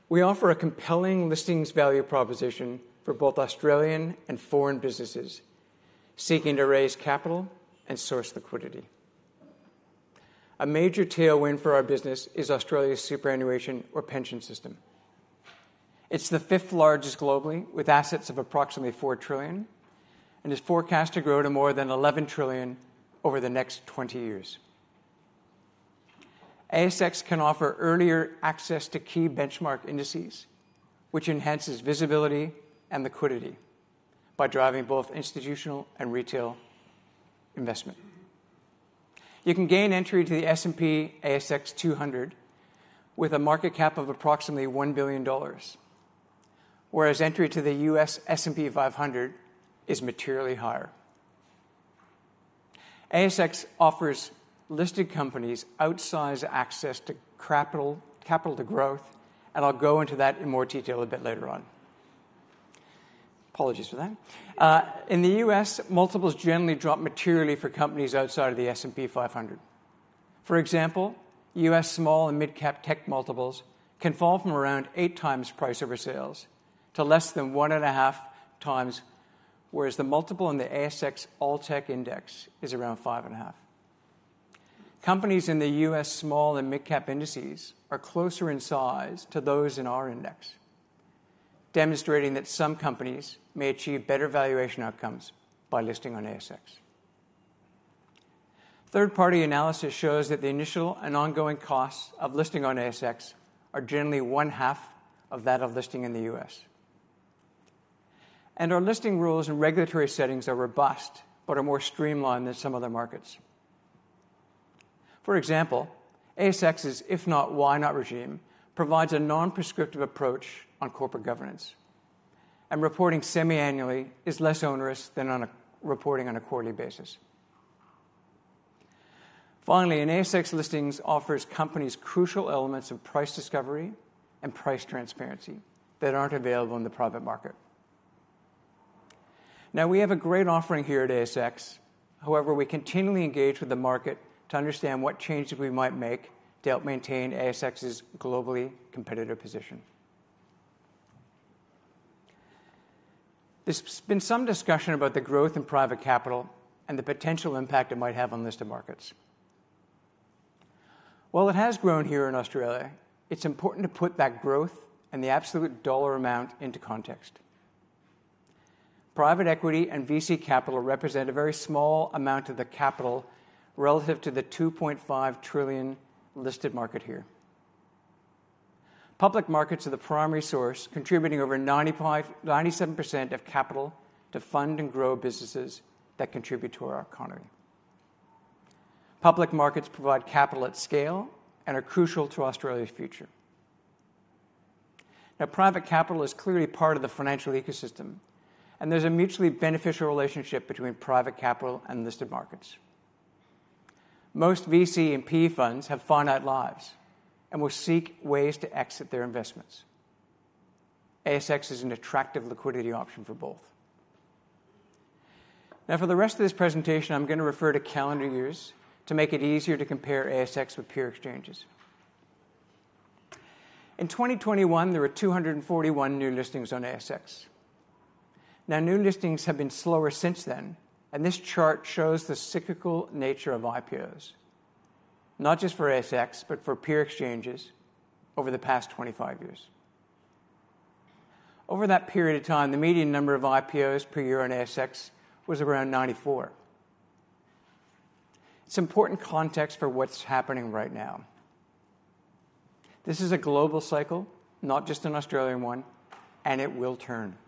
S4: We offer a compelling listings value proposition for both Australian and foreign businesses seeking to raise capital and source liquidity. A major tailwind for our business is Australia's superannuation or pension system. It's the fifth largest globally, with assets of approximately 4 trillion, and is forecast to grow to more than 11 trillion over the next 20 years. ASX can offer earlier access to key benchmark indices, which enhances visibility and liquidity by driving both institutional and retail investment. You can gain entry to the S&P/ASX 200 with a market cap of approximately 1 billion dollars, whereas entry to the US S&P 500 is materially higher. ASX offers listed companies outsized access to capital to growth, and I'll go into that in more detail a bit later on. Apologies for that. In the US, multiples generally drop materially for companies outside of the S&P 500. For example, US small and mid-cap tech multiples can fall from around 8x price over sales to less than 1.5x, whereas the multiple in the ASX All Tech Index is around 5.5. Companies in the US small and mid-cap indices are closer in size to those in our index, demonstrating that some companies may achieve better valuation outcomes by listing on ASX. Third-party analysis shows that the initial and ongoing costs of listing on ASX are generally one half of that of listing in the US. Our listing rules and regulatory settings are robust but are more streamlined than some other markets. For example, ASX's if not, why not regime provides a non-prescriptive approach on corporate governance, and reporting semi-annually is less onerous than reporting on a quarterly basis. Finally, an ASX listings offers companies crucial elements of price discovery and price transparency that aren't available in the private market. Now, we have a great offering here at ASX. However, we continually engage with the market to understand what changes we might make to help maintain ASX's globally competitive position. There's been some discussion about the growth in private capital and the potential impact it might have on listed markets. While it has grown here in Australia, it's important to put that growth and the absolute dollar amount into context. Private equity and VC capital represent a very small amount of the capital relative to the 2.5 trillion listed market here. Public markets are the primary source, contributing over 97% of capital to fund and grow businesses that contribute to our economy. Public markets provide capital at scale and are crucial to Australia's future. Now, private capital is clearly part of the financial ecosystem, and there's a mutually beneficial relationship between private capital and listed markets. Most VC and PE funds have finite lives and will seek ways to exit their investments. ASX is an attractive liquidity option for both. Now, for the rest of this presentation, I'm going to refer to calendar years to make it easier to compare ASX with peer exchanges. In 2021, there were 241 new listings on ASX. Now, new listings have been slower since then, and this chart shows the cyclical nature of IPOs, not just for ASX, but for peer exchanges over the past 25 years. Over that period of time, the median number of IPOs per year on ASX was around 94. It's important context for what's happening right now. This is a global cycle, not just an Australian one, and it will turn.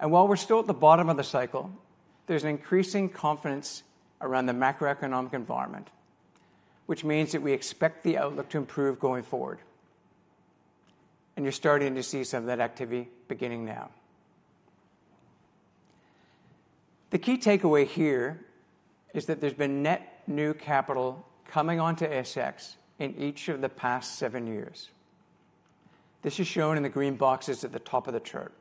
S4: While we're still at the bottom of the cycle, there's an increasing confidence around the macroeconomic environment, which means that we expect the outlook to improve going forward. You're starting to see some of that activity beginning now. The key takeaway here is that there's been net new capital coming onto ASX in each of the past seven years. This is shown in the green boxes at the top of the chart.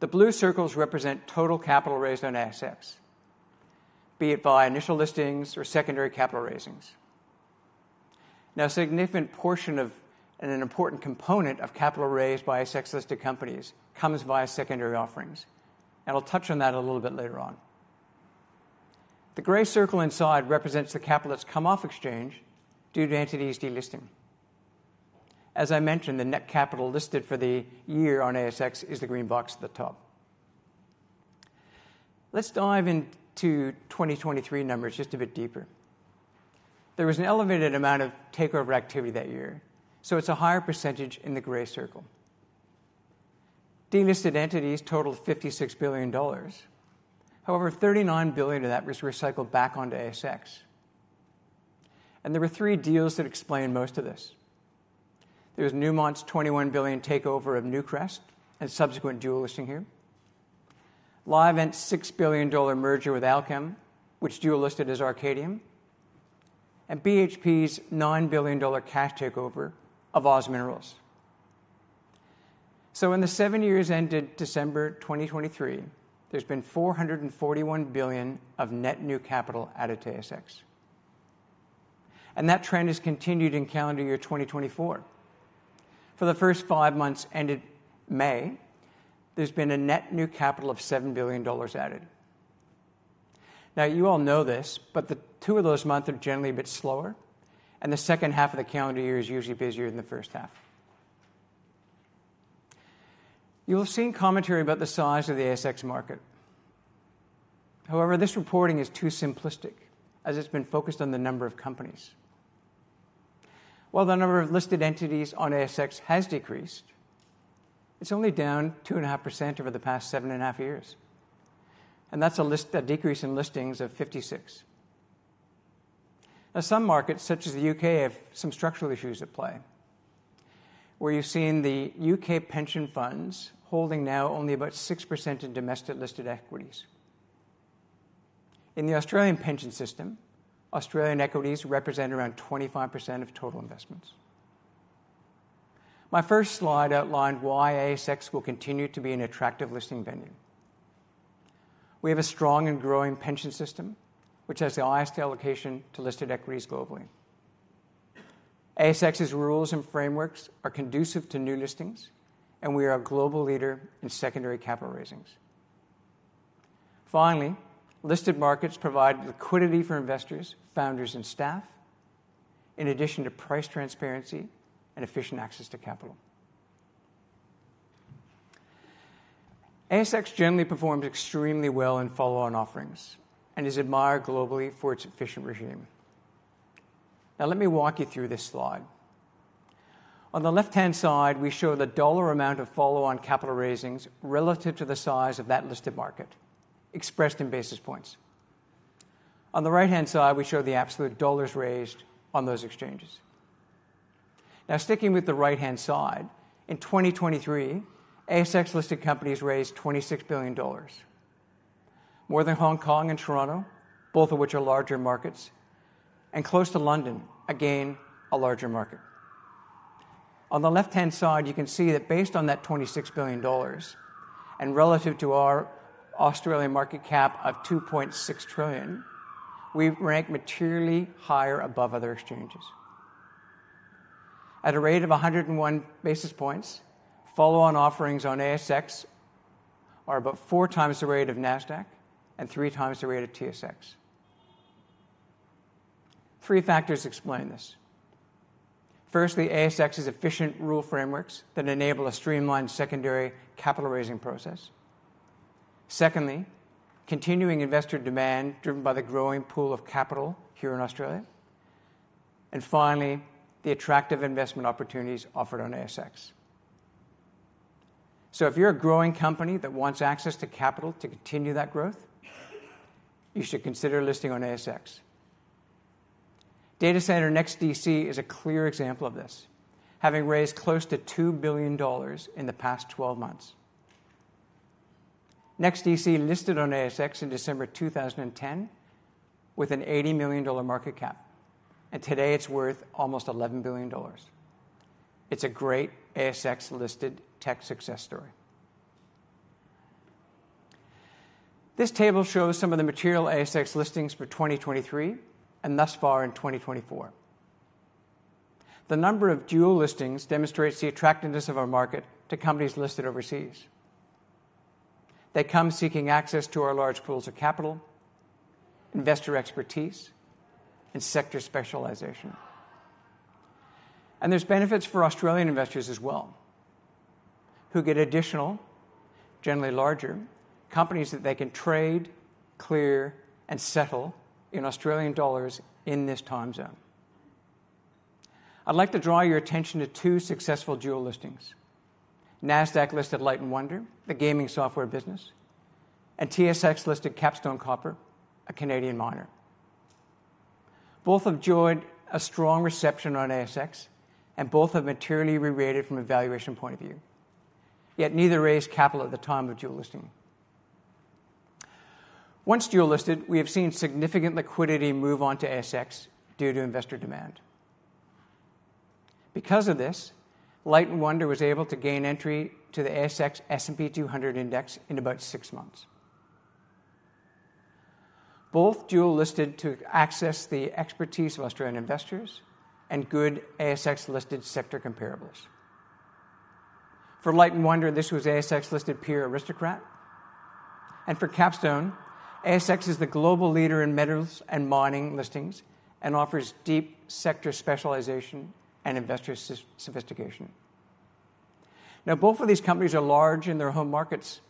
S4: The blue circles represent total capital raised on ASX, be it via initial listings or secondary capital raisings. Now, a significant portion of an important component of capital raised by ASX-listed companies comes via secondary offerings. And I'll touch on that a little bit later on. The gray circle inside represents the capital that's come off exchange due to entities delisting. As I mentioned, the net capital listed for the year on ASX is the green box at the top. Let's dive into 2023 numbers just a bit deeper. There was an elevated amount of takeover activity that year, so it's a higher percentage in the gray circle. Delisted entities totaled 56 billion dollars. However, 39 billion of that was recycled back onto ASX. And there were three deals that explained most of this. There was Newmont's 21 billion takeover of Newcrest and subsequent dual listing here, Livent's 6 billion dollar merger with Allkem, which dual listed as Arcadium, and BHP's 9 billion dollar cash takeover of OZ Minerals. So, in the seven years ended December 2023, there's been 441 billion of net new capital added to ASX. And that trend has continued in calendar year 2024. For the first five months ended May, there's been a net new capital of 7 billion dollars added. Now, you all know this, but the two of those months are generally a bit slower, and the second half of the calendar year is usually busier than the first half. You will have seen commentary about the size of the ASX market. However, this reporting is too simplistic, as it's been focused on the number of companies. While the number of listed entities on ASX has decreased, it's only down 2.5% over the past 7.5 years. That's a decrease in listings of 56. Now, some markets, such as the UK, have some structural issues at play, where you've seen the UK pension funds holding now only about 6% in domestic listed equities. In the Australian pension system, Australian equities represent around 25% of total investments. My first slide outlined why ASX will continue to be an attractive listing venue. We have a strong and growing pension system, which has the highest allocation to listed equities globally. ASX's rules and frameworks are conducive to new listings, and we are a global leader in secondary capital raisings. Finally, listed markets provide liquidity for investors, founders, and staff, in addition to price transparency and efficient access to capital. ASX generally performs extremely well in follow-on offerings and is admired globally for its efficient regime. Now, let me walk you through this slide. On the left-hand side, we show the dollar amount of follow-on capital raisings relative to the size of that listed market, expressed in basis points. On the right-hand side, we show the absolute dollars raised on those exchanges. Now, sticking with the right-hand side, in 2023, ASX-listed companies raised 26 billion dollars, more than Hong Kong and Toronto, both of which are larger markets, and close to London, again, a larger market. On the left-hand side, you can see that based on that 26 billion dollars and relative to our Australian market cap of 2.6 trillion, we rank materially higher above other exchanges. At a rate of 101 basis points, follow-on offerings on ASX are about four times the rate of NASDAQ and three times the rate of TSX. Three factors explain this. Firstly, ASX's efficient rule frameworks that enable a streamlined secondary capital raising process. Secondly, continuing investor demand driven by the growing pool of capital here in Australia. And finally, the attractive investment opportunities offered on ASX. So, if you're a growing company that wants access to capital to continue that growth, you should consider listing on ASX. Data center NEXTDC is a clear example of this, having raised close to 2 billion dollars in the past 12 months. NEXTDC listed on ASX in December 2010 with an 80 million dollar market cap, and today it's worth almost 11 billion dollars. It's a great ASX-listed tech success story. This table shows some of the material ASX listings for 2023 and thus far in 2024. The number of dual listings demonstrates the attractiveness of our market to companies listed overseas. They come seeking access to our large pools of capital, investor expertise, and sector specialization. There's benefits for Australian investors as well, who get additional, generally larger, companies that they can trade, clear, and settle in Australian dollars in this time zone. I'd like to draw your attention to two successful dual listings: NASDAQ-listed Light & Wonder, the gaming software business, and TSX-listed Capstone Copper, a Canadian miner. Both have joined a strong reception on ASX, and both have materially re-rated from a valuation point of view. Yet neither raised capital at the time of dual listing. Once dual listed, we have seen significant liquidity move on to ASX due to investor demand. Because of this, Light & Wonder was able to gain entry to the S&P/ASX 200 Index in about 6 months. Both dual listed to access the expertise of Australian investors and good ASX-listed sector comparables. For Light & Wonder, this was ASX-listed Aristocrat Leisure. For Capstone, ASX is the global leader in metals and mining listings and offers deep sector specialization and investor sophistication. Now, both of these companies are large in their home markets,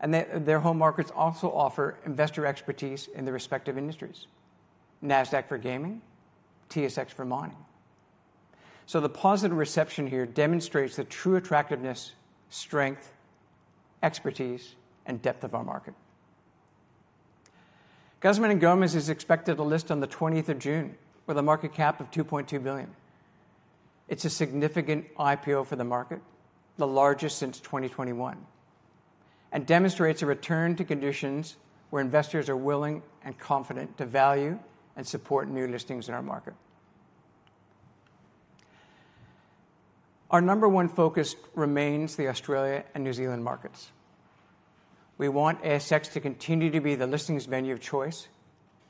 S4: and their home markets also offer investor expertise in their respective industries: NASDAQ for gaming, TSX for mining. The positive reception here demonstrates the true attractiveness, strength, expertise, and depth of our market. Guzman y Gomez is expected to list on the 20th of June with a market cap of 2.2 billion. It's a significant IPO for the market, the largest since 2021, and demonstrates a return to conditions where investors are willing and confident to value and support new listings in our market. Our number one focus remains the Australia and New Zealand markets. We want ASX to continue to be the listings venue of choice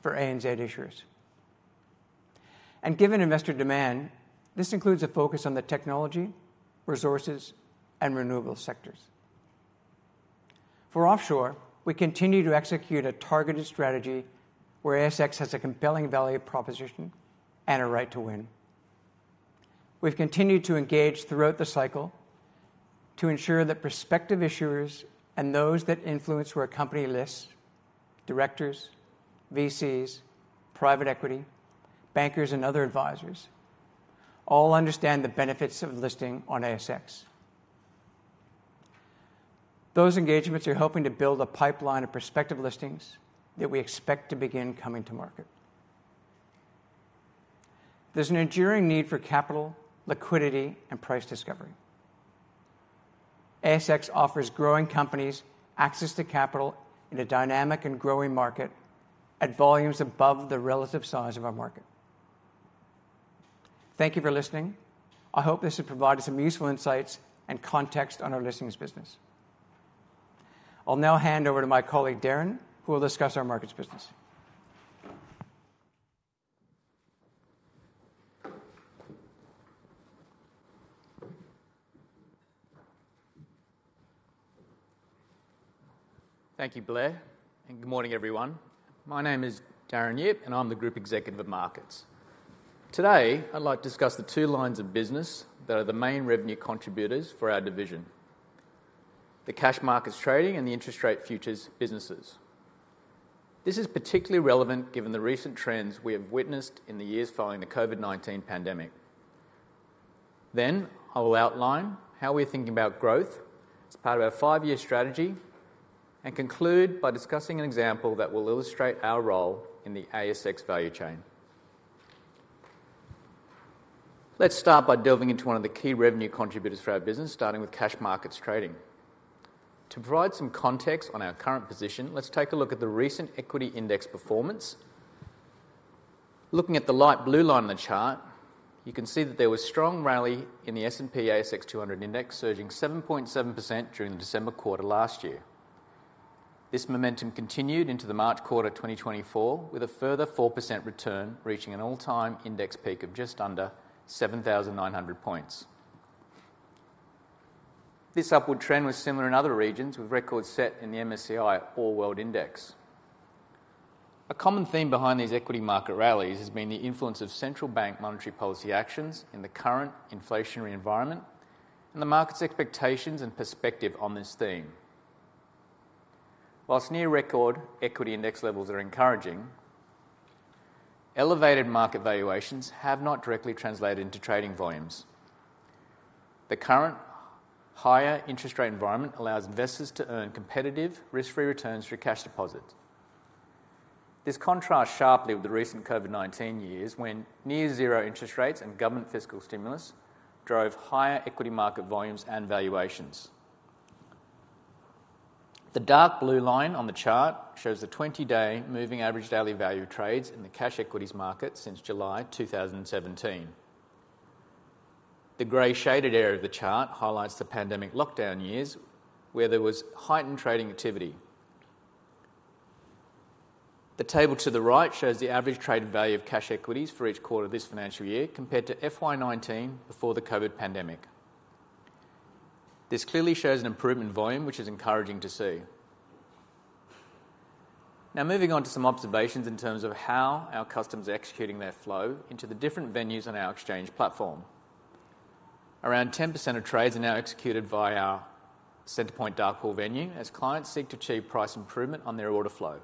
S4: for ANZ issuers. Given investor demand, this includes a focus on the technology, resources, and renewable sectors. For offshore, we continue to execute a targeted strategy where ASX has a compelling value proposition and a right to win. We've continued to engage throughout the cycle to ensure that prospective issuers and those that influence where a company lists, directors, VCs, private equity, bankers, and other advisors all understand the benefits of listing on ASX. Those engagements are helping to build a pipeline of prospective listings that we expect to begin coming to market. There's an enduring need for capital, liquidity, and price discovery. ASX offers growing companies access to capital in a dynamic and growing market at volumes above the relative size of our market. Thank you for listening. I hope this has provided some useful insights and context on our listings business. I'll now hand over to my colleague, Darren, who will discuss our markets business.
S5: Thank you, Blair, and good morning, everyone. My name is Darren Yip, and I'm the Group Executive of Markets. Today, I'd like to discuss the two lines of business that are the main revenue contributors for our division: the cash markets trading and the interest rate futures businesses. This is particularly relevant given the recent trends we have witnessed in the years following the COVID-19 pandemic. Then, I will outline how we're thinking about growth as part of our five-year strategy and conclude by discussing an example that will illustrate our role in the ASX value chain. Let's start by delving into one of the key revenue contributors for our business, starting with cash markets trading. To provide some context on our current position, let's take a look at the recent equity index performance. Looking at the light blue line on the chart, you can see that there was a strong rally in the S&P/ASX 200 index, surging 7.7% during the December quarter last year. This momentum continued into the March quarter 2024, with a further 4% return reaching an all-time index peak of just under 7,900 points. This upward trend was similar in other regions, with records set in the MSCI All-World Index. A common theme behind these equity market rallies has been the influence of central bank monetary policy actions in the current inflationary environment and the market's expectations and perspective on this theme. While near-record equity index levels are encouraging, elevated market valuations have not directly translated into trading volumes. The current higher interest rate environment allows investors to earn competitive, risk-free returns through cash deposits. This contrasts sharply with the recent COVID-19 years, when near-zero interest rates and government fiscal stimulus drove higher equity market volumes and valuations. The dark blue line on the chart shows the 20-day moving average daily value trades in the cash equities market since July 2017. The gray shaded area of the chart highlights the pandemic lockdown years, where there was heightened trading activity. The table to the right shows the average traded value of cash equities for each quarter of this financial year compared to FY19 before the COVID pandemic. This clearly shows an improvement in volume, which is encouraging to see. Now, moving on to some observations in terms of how our customers are executing their flow into the different venues on our exchange platform. Around 10% of trades are now executed via our Centre Point dark pool venue as clients seek to achieve price improvement on their order flow.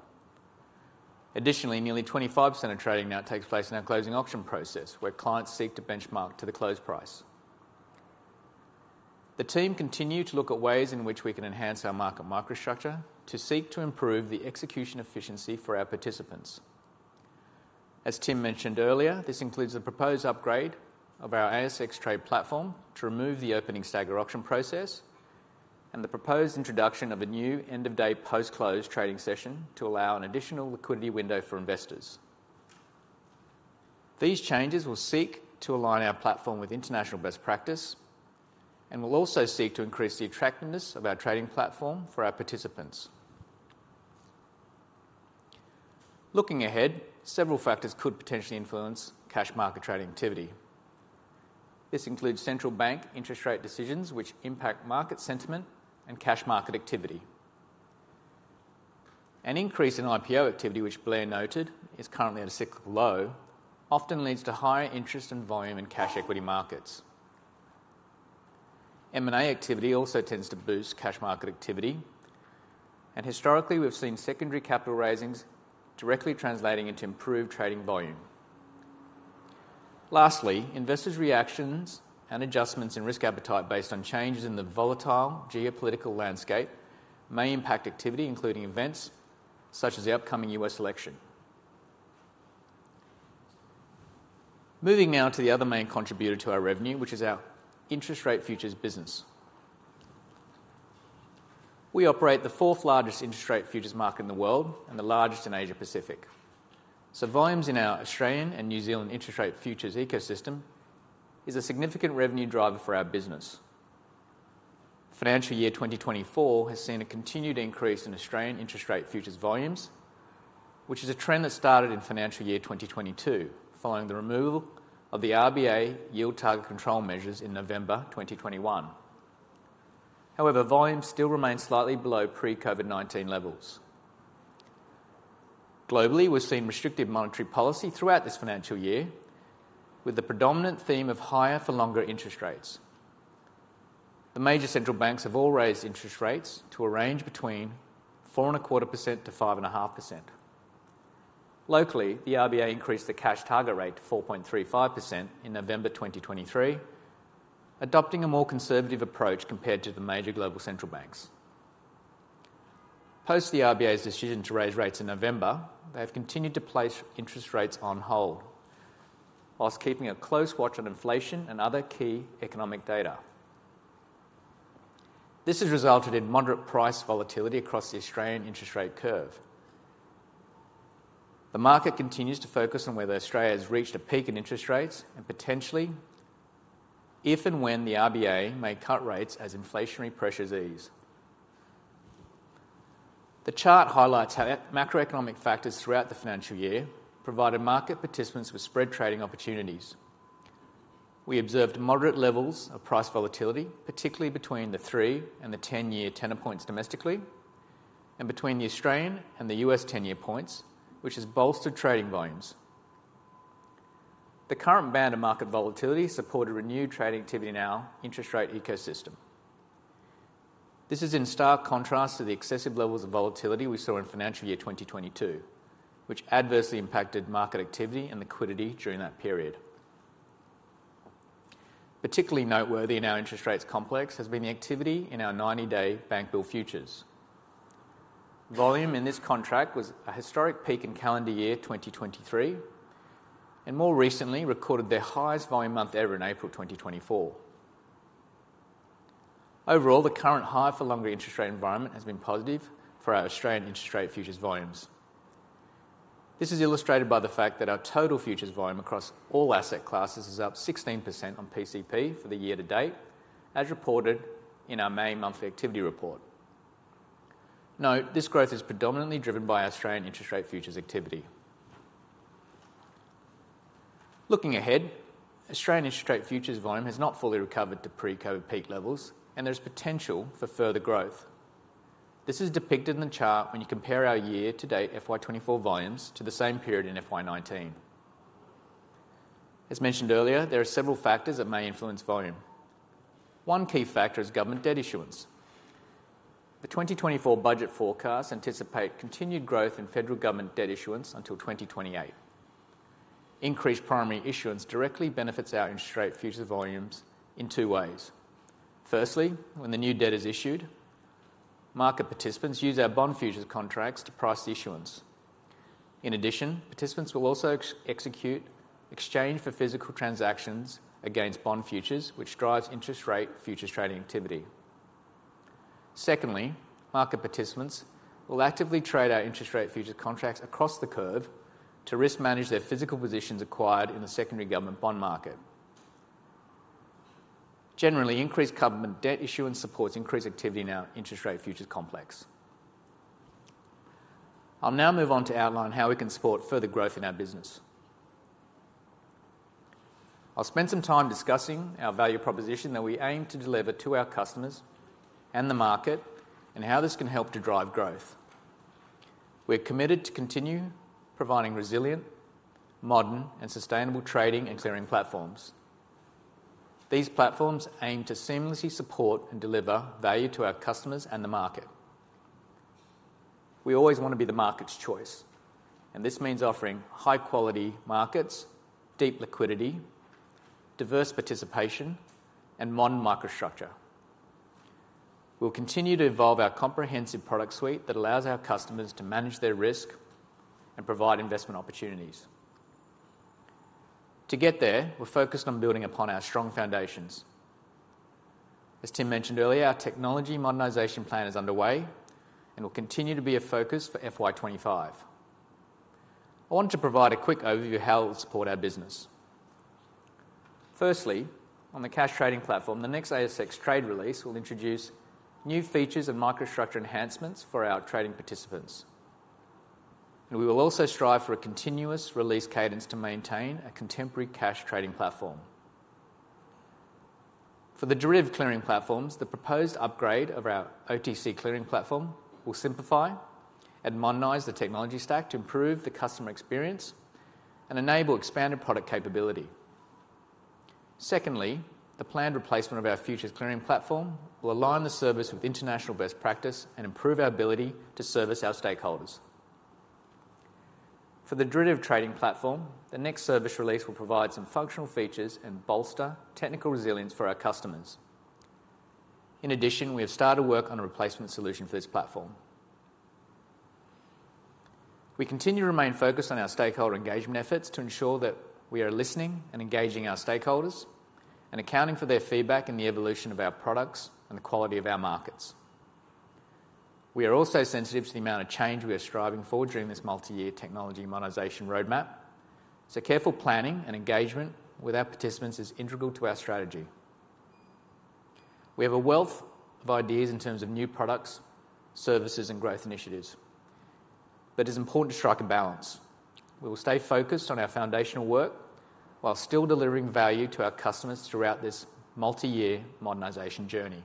S5: Additionally, nearly 25% of trading now takes place in our closing auction process, where clients seek to benchmark to the close price. The team continues to look at ways in which we can enhance our market microstructure to seek to improve the execution efficiency for our participants. As Tim mentioned earlier, this includes the proposed upgrade of our ASX Trade platform to remove the opening auction stagger process and the proposed introduction of a new end-of-day post-close trading session to allow an additional liquidity window for investors. These changes will seek to align our platform with international best practice and will also seek to increase the attractiveness of our trading platform for our participants. Looking ahead, several factors could potentially influence cash market trading activity. This includes central bank interest rate decisions, which impact market sentiment and cash market activity. An increase in IPO activity, which Blair noted is currently at a cyclical low, often leads to higher interest and volume in cash equity markets. M&A activity also tends to boost cash market activity, and historically, we've seen secondary capital raisings directly translating into improved trading volume. Lastly, investors' reactions and adjustments in risk appetite based on changes in the volatile geopolitical landscape may impact activity, including events such as the upcoming US election. Moving now to the other main contributor to our revenue, which is our interest rate futures business. We operate the fourth largest interest rate futures market in the world and the largest in Asia-Pacific. So, volumes in our Australian and New Zealand interest rate futures ecosystem are a significant revenue driver for our business. Financial year 2024 has seen a continued increase in Australian interest rate futures volumes, which is a trend that started in financial year 2022 following the removal of the RBA yield target control measures in November 2021. However, volumes still remain slightly below pre-COVID-19 levels. Globally, we've seen restrictive monetary policy throughout this financial year, with the predominant theme of higher-for-longer interest rates. The major central banks have all raised interest rates to a range between 4.25% to 5.5%. Locally, the RBA increased the cash target rate to 4.35% in November 2023, adopting a more conservative approach compared to the major global central banks. Post the RBA's decision to raise rates in November, they have continued to place interest rates on hold, while keeping a close watch on inflation and other key economic data. This has resulted in moderate price volatility across the Australian interest rate curve. The market continues to focus on whether Australia has reached a peak in interest rates and potentially if and when the RBA may cut rates as inflationary pressures ease. The chart highlights how macroeconomic factors throughout the financial year provided market participants with spread trading opportunities. We observed moderate levels of price volatility, particularly between the three- and 10-year tenor points domestically and between the Australian and the US 10-year points, which has bolstered trading volumes. The current band of market volatility supported renewed trading activity in our interest rate ecosystem. This is in stark contrast to the excessive levels of volatility we saw in financial year 2022, which adversely impacted market activity and liquidity during that period. Particularly noteworthy in our interest rates complex has been the activity in our 90-day Bank Bill Futures. Volume in this contract was a historic peak in calendar year 2023 and more recently recorded their highest volume month ever in April 2024. Overall, the current high-for-longer interest rate environment has been positive for our Australian interest rate futures volumes. This is illustrated by the fact that our total futures volume across all asset classes is up 16% on PCP for the year to date, as reported in our May monthly activity report. Note this growth is predominantly driven by Australian interest rate futures activity. Looking ahead, Australian interest rate futures volume has not fully recovered to pre-COVID peak levels, and there is potential for further growth. This is depicted in the chart when you compare our year-to-date FY24 volumes to the same period in FY19. As mentioned earlier, there are several factors that may influence volume. One key factor is government debt issuance. The 2024 budget forecasts anticipate continued growth in federal government debt issuance until 2028. Increased primary issuance directly benefits our interest rate futures volumes in two ways. Firstly, when the new debt is issued, market participants use our bond futures contracts to price the issuance. In addition, participants will also execute Exchange for Physical transactions against bond futures, which drives interest rate futures trading activity. Secondly, market participants will actively trade our interest rate futures contracts across the curve to risk manage their physical positions acquired in the secondary government bond market. Generally, increased government debt issuance supports increased activity in our interest rate futures complex. I'll now move on to outline how we can support further growth in our business. I'll spend some time discussing our value proposition that we aim to deliver to our customers and the market and how this can help to drive growth. We're committed to continue providing resilient, modern, and sustainable trading and clearing platforms. These platforms aim to seamlessly support and deliver value to our customers and the market. We always want to be the market's choice, and this means offering high-quality markets, deep liquidity, diverse participation, and modern microstructure. We'll continue to evolve our comprehensive product suite that allows our customers to manage their risk and provide investment opportunities. To get there, we're focused on building upon our strong foundations. As Tim mentioned earlier, our technology modernization plan is underway and will continue to be a focus for FY25. I want to provide a quick overview of how we'll support our business. Firstly, on the cash trading platform, the next ASX Trade release will introduce new features and microstructure enhancements for our trading participants. We will also strive for a continuous release cadence to maintain a contemporary cash trading platform. For the derivative clearing platforms, the proposed upgrade of our OTC clearing platform will simplify and modernize the technology stack to improve the customer experience and enable expanded product capability. Secondly, the planned replacement of our futures clearing platform will align the service with international best practice and improve our ability to service our stakeholders. For the derivative trading platform, the next service release will provide some functional features and bolster technical resilience for our customers. In addition, we have started work on a replacement solution for this platform. We continue to remain focused on our stakeholder engagement efforts to ensure that we are listening and engaging our stakeholders and accounting for their feedback in the evolution of our products and the quality of our markets. We are also sensitive to the amount of change we are striving for during this multi-year technology modernization roadmap, so careful planning and engagement with our participants is integral to our strategy. We have a wealth of ideas in terms of new products, services, and growth initiatives, but it is important to strike a balance. We will stay focused on our foundational work while still delivering value to our customers throughout this multi-year modernization journey.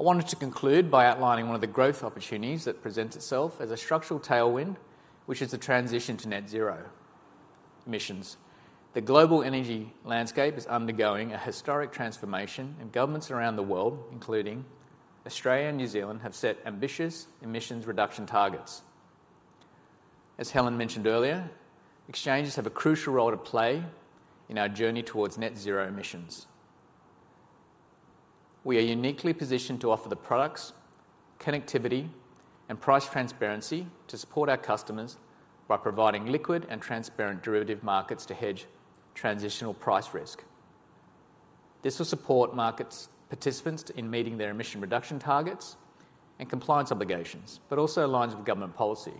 S5: I wanted to conclude by outlining one of the growth opportunities that presents itself as a structural tailwind, which is the transition to net zero emissions. The global energy landscape is undergoing a historic transformation, and governments around the world, including Australia and New Zealand, have set ambitious emissions reduction targets. As Helen mentioned earlier, exchanges have a crucial role to play in our journey towards net zero emissions. We are uniquely positioned to offer the products, connectivity, and price transparency to support our customers by providing liquid and transparent derivative markets to hedge transitional price risk. This will support market participants in meeting their emission reduction targets and compliance obligations, but also aligns with government policy.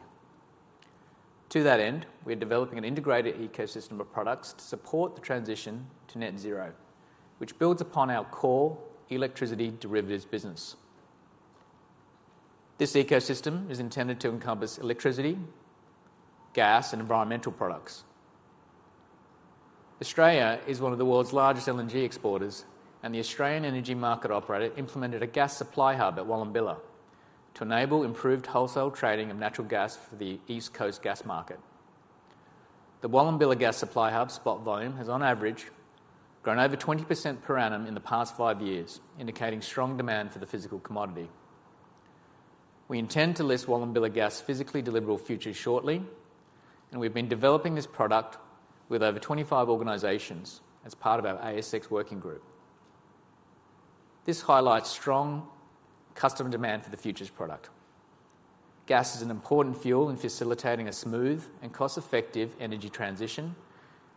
S5: To that end, we are developing an integrated ecosystem of products to support the transition to Net Zero, which builds upon our core electricity derivatives business. This ecosystem is intended to encompass electricity, gas, and environmental products. Australia is one of the world's largest LNG exporters, and the Australian Energy Market Operator implemented a gas supply hub at Wallumbilla to enable improved wholesale trading of natural gas for the East Coast gas market. The Wallumbilla Gas Supply Hub spot volume has, on average, grown over 20% per annum in the past five years, indicating strong demand for the physical commodity. We intend to list Wallumbilla gas physically deliverable futures shortly, and we've been developing this product with over 25 organizations as part of our ASX working group. This highlights strong customer demand for the futures product. Gas is an important fuel in facilitating a smooth and cost-effective energy transition,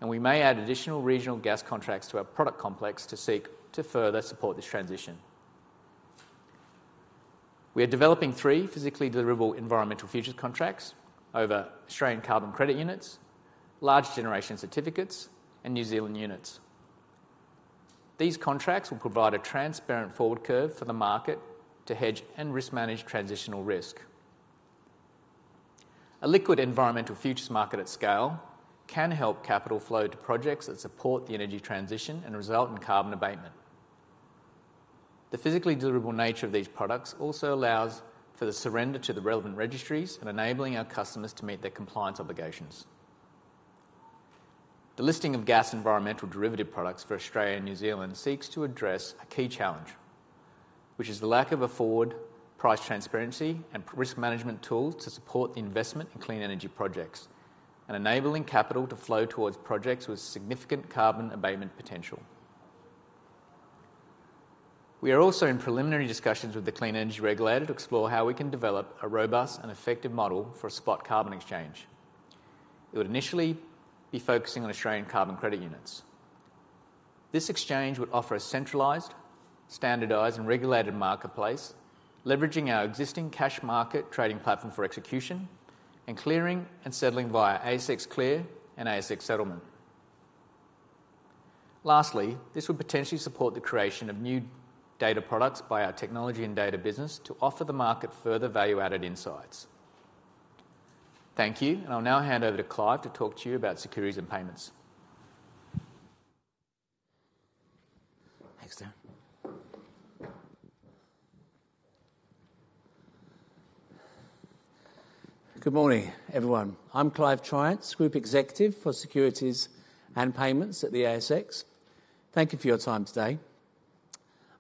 S5: and we may add additional regional gas contracts to our product complex to seek to further support this transition. We are developing three physically deliverable environmental futures contracts over Australian Carbon Credit Units, Large Generation Certificates, and New Zealand Units. These contracts will provide a transparent forward curve for the market to hedge and risk-manage transitional risk. A liquid environmental futures market at scale can help capital flow to projects that support the energy transition and result in carbon abatement. The physically deliverable nature of these products also allows for the surrender to the relevant registries and enabling our customers to meet their compliance obligations. The listing of gas environmental derivative products for Australia and New Zealand seeks to address a key challenge, which is the lack of affordable price transparency and risk management tools to support the investment in clean energy projects and enabling capital to flow towards projects with significant carbon abatement potential. We are also in preliminary discussions with the Clean Energy Regulator to explore how we can develop a robust and effective model for a spot carbon exchange. It would initially be focusing on Australian Carbon Credit Units. This exchange would offer a centralized, standardized, and regulated marketplace, leveraging our existing cash market trading platform for execution and clearing and settling via ASX Clear and ASX Settlement. Lastly, this would potentially support the creation of new data products Technology and Data business to offer the market further value-added insights. Thank you, and I'll now hand over to Clive to talk to you about Securities and Payments.
S6: Thanks, Dan. Good morning, everyone. I'm Clive Triance, Group Securities and Payments at the ASX. Thank you for your time today.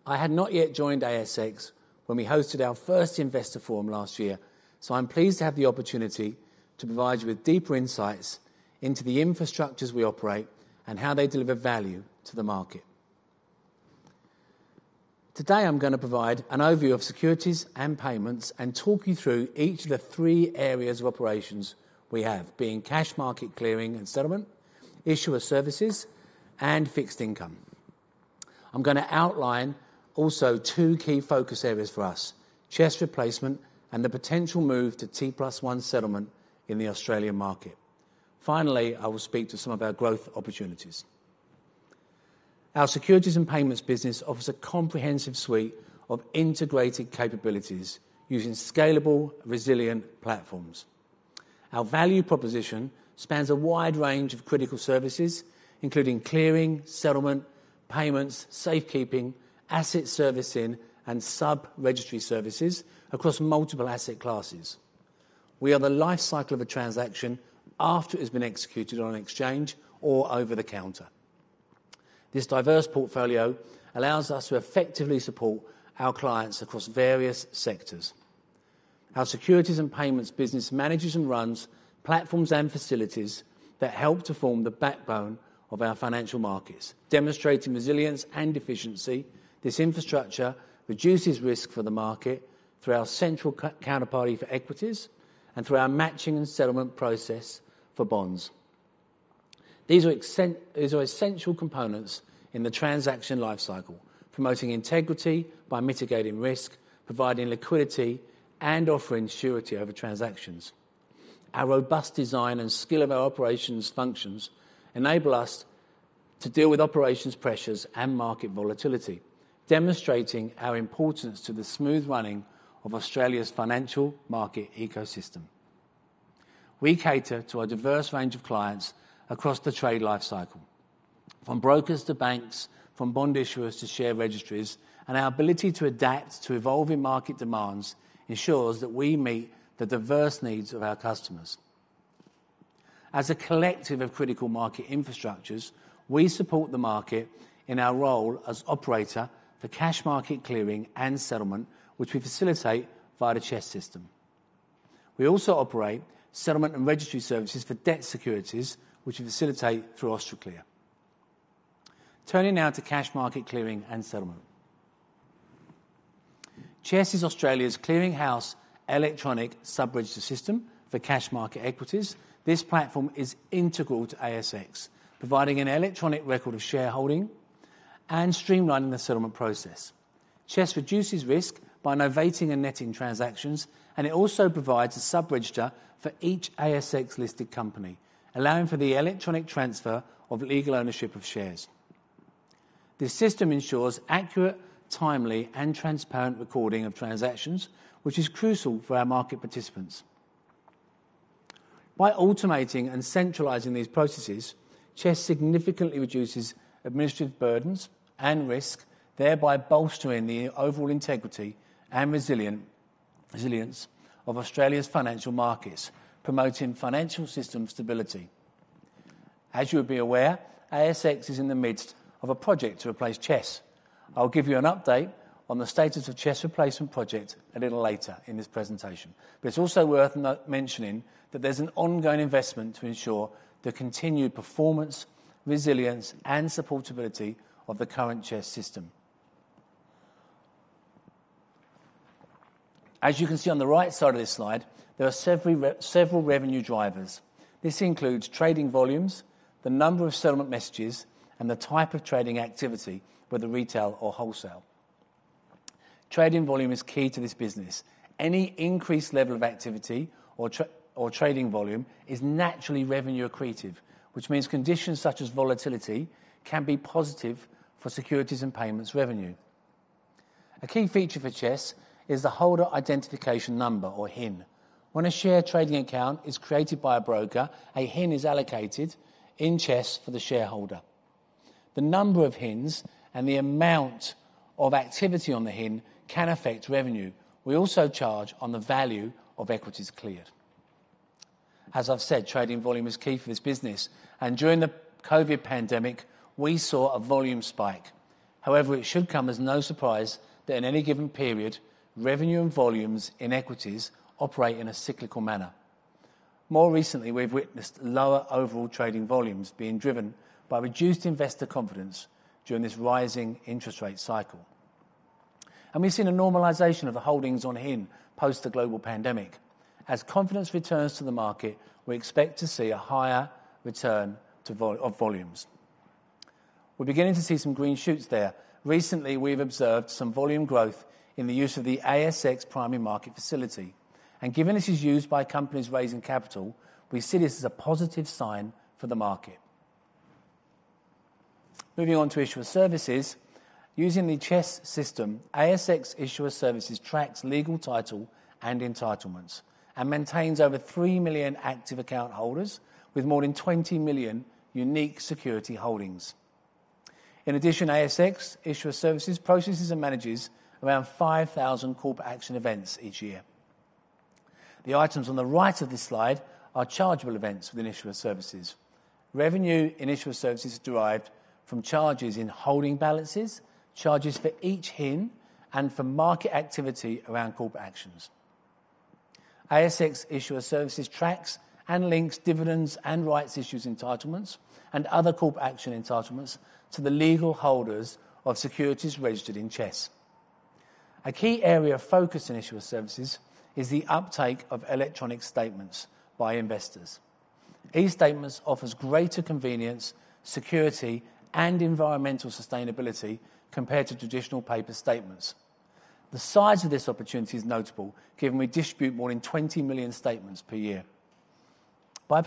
S6: I had not yet joined ASX when we hosted our first investor forum last year, so I'm pleased to have the opportunity to provide you with deeper insights into the infrastructures we operate and how they deliver value to the market. Today, I'm going to provide an Securities and Payments and talk you through each of the three areas of operations we have, being cash market clearing and settlement, issuer services, and fixed income. I'm going to outline also two key focus areas for us: CHESS replacement and the potential move to T plus one settlement in the Australian market. Finally, I will speak to some of our growth Securities and Payments business offers a comprehensive suite of integrated capabilities using scalable, resilient platforms. Our value proposition spans a wide range of critical services, including clearing, settlement, payments, safekeeping, asset servicing, and sub-registry services across multiple asset classes. We are the life cycle of a transaction after it has been executed on an exchange or over the counter. This diverse portfolio allows us to effectively support our clients across various Securities and Payments business manages and runs platforms and facilities that help to form the backbone of our financial markets. Demonstrating resilience and efficiency, this infrastructure reduces risk for the market through our central counterparty for equities and through our matching and settlement process for bonds. These are essential components in the transaction life cycle, promoting integrity by mitigating risk, providing liquidity, and offering surety over transactions. Our robust design and skill of our operations functions enable us to deal with operations pressures and market volatility, demonstrating our importance to the smooth running of Australia's financial market ecosystem. We cater to a diverse range of clients across the trade life cycle, from brokers to banks, from bond issuers to share registries, and our ability to adapt to evolving market demands ensures that we meet the diverse needs of our customers. As a collective of critical market infrastructures, we support the market in our role as operator for cash market clearing and settlement, which we facilitate via the CHESS system. We also operate settlement and registry services for debt securities, which we facilitate through Austraclear. Turning now to cash market clearing and settlement. CHESS is Australia's clearinghouse electronic sub-register system for cash market equities. This platform is integral to ASX, providing an electronic record of shareholding and streamlining the settlement process. CHESS reduces risk by novating and netting transactions, and it also provides a sub-register for each ASX-listed company, allowing for the electronic transfer of legal ownership of shares. The system ensures accurate, timely, and transparent recording of transactions, which is crucial for our market participants. By automating and centralizing these processes, CHESS significantly reduces administrative burdens and risk, thereby bolstering the overall integrity and resilience of Australia's financial markets, promoting financial system stability. As you will be aware, ASX is in the midst of a project to replace CHESS.
S4: I'll give you an update on the status of CHESS replacement projects a little later in this presentation. But it's also worth mentioning that there's an ongoing investment to ensure the continued performance, resilience, and supportability of the current CHESS system. As you can see on the right side of this slide, there are several revenue drivers. This includes trading volumes, the number of settlement messages, and the type of trading activity, whether retail or wholesale. Trading volume is key to this business. Any increased level of activity or trading volume is naturally revenue accretive, which means conditions such as volatility Securities and Payments revenue. a key feature for CHESS is the holder identification number, or HIN. When a share trading account is created by a broker, a HIN is allocated in CHESS for the shareholder.
S6: The number of HINs and the amount of activity on the HIN can affect revenue. We also charge on the value of equities cleared. As I've said, trading volume is key for this business, and during the COVID pandemic, we saw a volume spike. However, it should come as no surprise that in any given period, revenue and volumes in equities operate in a cyclical manner. More recently, we've witnessed lower overall trading volumes being driven by reduced investor confidence during this rising interest rate cycle. We've seen a normalization of the holdings on HIN post the global pandemic. As confidence returns to the market, we expect to see a higher return of volumes. We're beginning to see some green shoots there. Recently, we've observed some volume growth in the use of the ASX primary market facility. Given this is used by companies raising capital, we see this as a positive sign for the market. Moving on to Issuer Services, using the CHESS system, ASX Issuer Services tracks legal title and entitlements and maintains over 3 million active account holders with more than 20 million unique security holdings. In addition, ASX Issuer Services processes and manages around 5,000 corporate action events each year. The items on the right of this slide are chargeable events within Issuer Services. Revenue in Issuer Services is derived from charges in holding balances, charges for each HIN, and for market activity around corporate actions. ASX Issuer Services tracks and links dividends and rights issues entitlements and other corporate action entitlements to the legal holders of securities registered in CHESS. A key area of focus in Issuer Services is the uptake of electronic statements by investors. E-statements offer greater convenience, security, and environmental sustainability compared to traditional paper statements. The size of this opportunity is notable, given we distribute more than 20 million statements per year. By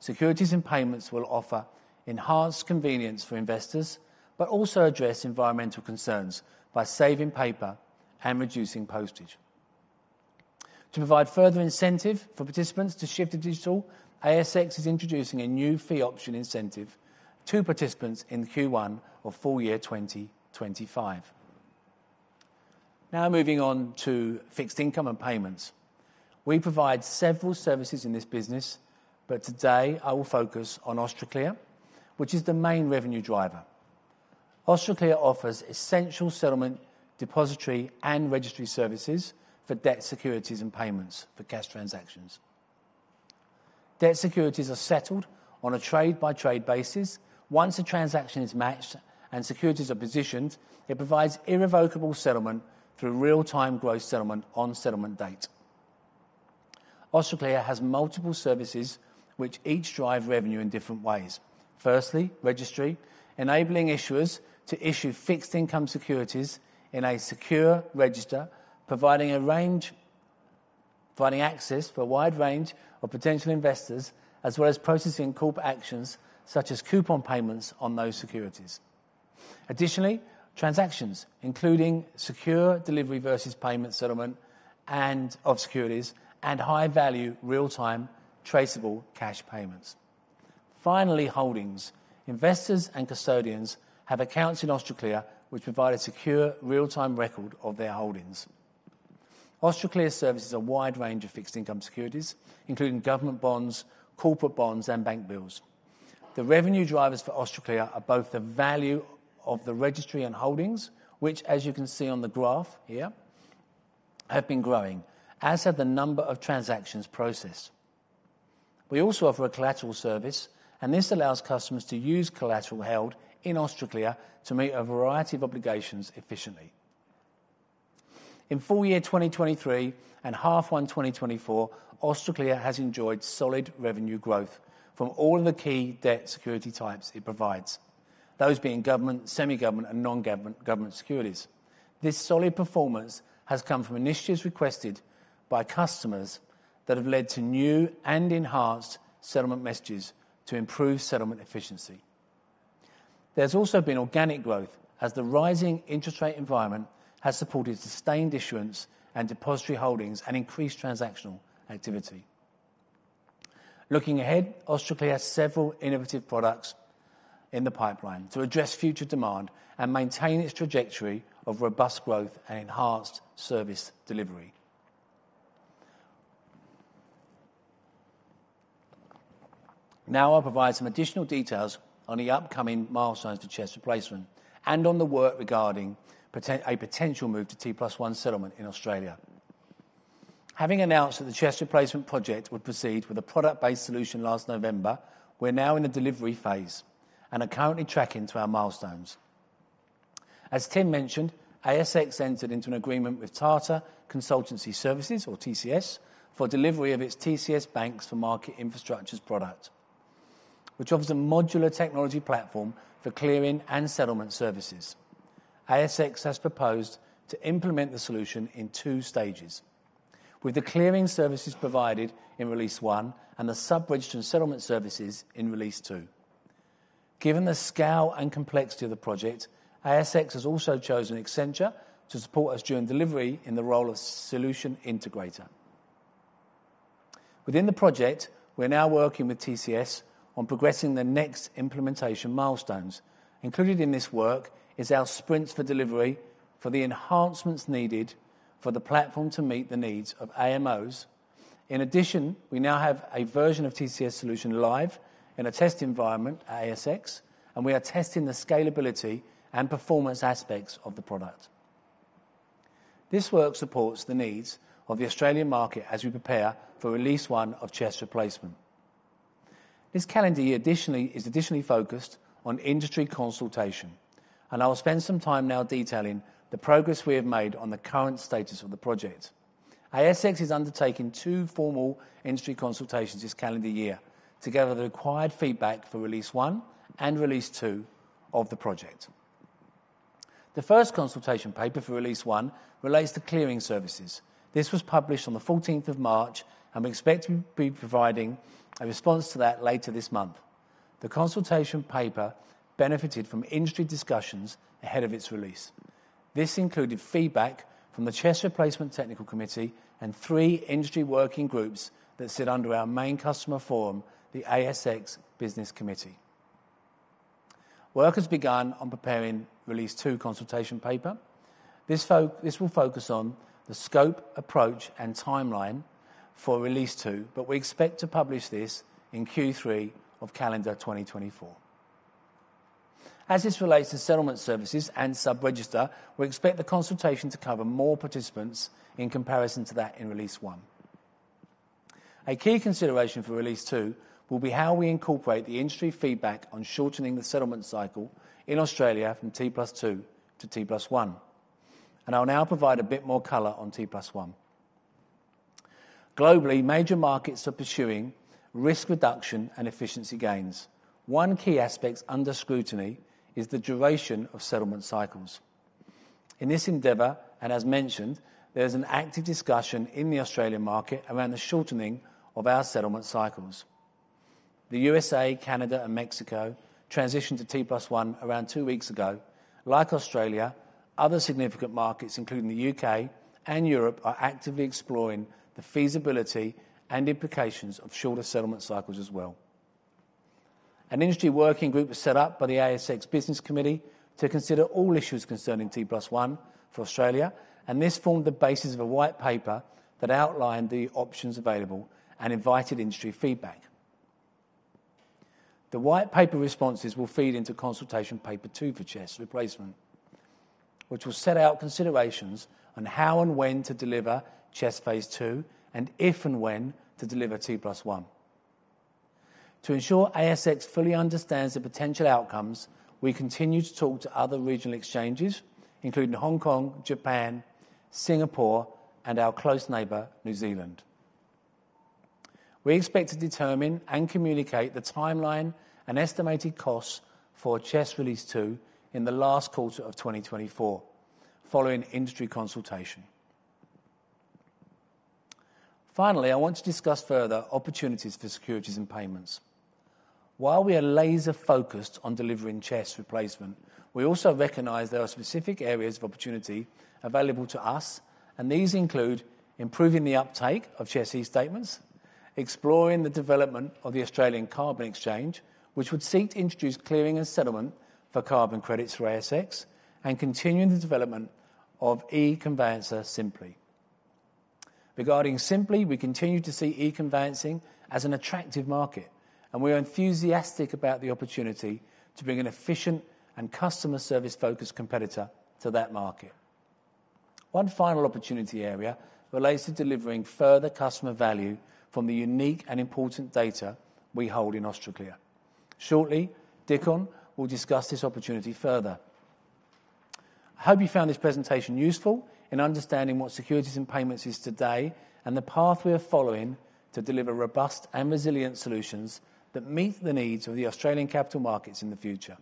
S6: Securities and Payments will offer enhanced convenience for investors, but also address environmental concerns by saving paper and reducing postage. To provide further incentive for participants to shift to digital, ASX is introducing a new fee option incentive to participants in Q1 of full year 2025. Now moving on to fixed income and payments. We provide several services in this business, but today I will focus on Austraclear, which is the main revenue driver. Austraclear offers essential settlement, depository, and Securities and Payments for cash transactions. debt securities are settled on a trade-by-trade basis. Once a transaction is matched and securities are positioned, it provides irrevocable settlement through real-time gross settlement on settlement date. Austraclear has multiple services which each drive revenue in different ways. Firstly, registry, enabling issuers to issue fixed income securities in a secure register, providing access for a wide range of potential investors, as well as processing corporate actions such as coupon payments on those securities. Additionally, transactions, including secure delivery versus payment settlement of securities and high-value, real-time, traceable cash payments. Finally, holdings. Investors and custodians have accounts in Austraclear, which provide a secure, real-time record of their holdings. Austraclear services a wide range of fixed income securities, including government bonds, corporate bonds, and bank bills. The revenue drivers for Austraclear are both the value of the registry and holdings, which, as you can see on the graph here, have been growing, as have the number of transactions processed. We also offer a collateral service, and this allows customers to use collateral held in Austraclear to meet a variety of obligations efficiently. In full year 2023 and half one 2024, Austraclear has enjoyed solid revenue growth from all of the key debt security types it provides, those being government, semi-government, and non-government securities. This solid performance has come from initiatives requested by customers that have led to new and enhanced settlement messages to improve settlement efficiency. There's also been organic growth as the rising interest rate environment has supported sustained issuance and depository holdings and increased transactional activity. Looking ahead, Austraclear has several innovative products in the pipeline to address future demand and maintain its trajectory of robust growth and enhanced service delivery. Now I'll provide some additional details on the upcoming milestones to CHESS replacement and on the work regarding a potential move to T plus one settlement in Australia. Having announced that the CHESS replacement project would proceed with a product-based solution last November, we're now in the delivery phase and are currently tracking to our milestones. As Tim mentioned, ASX entered into an agreement with Tata Consultancy Services, or TCS, for delivery of its TCS BaNCS for Market Infrastructure product, which offers a modular technology platform for clearing and settlement services. ASX has proposed to implement the solution in two stages, with the clearing services provided in release one and the sub-registered settlement services in release two. Given the scale and complexity of the project, ASX has also chosen Accenture to support us during delivery in the role of solution integrator. Within the project, we're now working with TCS on progressing the next implementation milestones. Included in this work is our sprints for delivery for the enhancements needed for the platform to meet the needs of AMOs. In addition, we now have a version of TCS solution live in a test environment at ASX, and we are testing the scalability and performance aspects of the product. This work supports the needs of the Australian market as we prepare for Release one of CHESS replacement. This calendar year is additionally focused on industry consultation, and I'll spend some time now detailing the progress we have made on the current status of the project. ASX is undertaking two formal industry consultations this calendar year to gather the required feedback for Release one and Release two of the project. The first consultation paper for Release one relates to clearing services. This was published on the 14th of March, and we expect to be providing a response to that later this month. The consultation paper benefited from industry discussions ahead of its release. This included feedback from the CHESS Replacement Technical Committee and three industry working groups that sit under our main customer forum, the ASX Business Committee. Work has begun on preparing release two consultation paper. This will focus on the scope, approach, and timeline for release two, but we expect to publish this in Q3 of calendar 2024. As this relates to settlement services and sub-register, we expect the consultation to cover more participants in comparison to that in release one. A key consideration for release two will be how we incorporate the industry feedback on shortening the settlement cycle in Australia from T plus two to T plus one. I'll now provide a bit more color on T plus one. Globally, major markets are pursuing risk reduction and efficiency gains. One key aspect under scrutiny is the duration of settlement cycles. In this endeavor, and as mentioned, there is an active discussion in the Australian market around the shortening of our settlement cycles. The USA, Canada, and Mexico transitioned to T plus one around two weeks ago. Like Australia, other significant markets, including the UK and Europe, are actively exploring the feasibility and implications of shorter settlement cycles as well. An industry working group was set up by the ASX Business Committee to consider all issues concerning T plus one for Australia, and this formed the basis of a white paper that outlined the options available and invited industry feedback. The white paper responses will feed into consultation paper two for CHESS replacement, which will set out considerations on how and when to deliver CHESS phase two and if and when to deliver T plus one. To ensure ASX fully understands the potential outcomes, we continue to talk to other regional exchanges, including Hong Kong, Japan, Singapore, and our close neighbor, New Zealand. We expect to determine and communicate the timeline and estimated costs for CHESS release two in the last quarter of 2024, following industry consultation. Finally, I want to Securities and Payments. while we are laser-focused on delivering CHESS replacement, we also recognize there are specific areas of opportunity available to us, and these include improving the uptake of CHESS e-statements, exploring the development of the Australian Carbon Exchange, which would seek to introduce clearing and settlement for carbon credits for ASX, and continuing the development of e-conveyancing Sympli. Regarding Sympli, we continue to see e-conveyancing as an attractive market, and we are enthusiastic about the opportunity to bring an efficient and customer service-focused competitor to that market. One final opportunity area relates to delivering further customer value from the unique and important data we hold in Austraclear. Shortly, Dickon will discuss this opportunity further. I hope you found this presentation Securities and Payments is today and the path we are following to deliver robust and resilient solutions that meet the needs of the Australian capital markets in the future.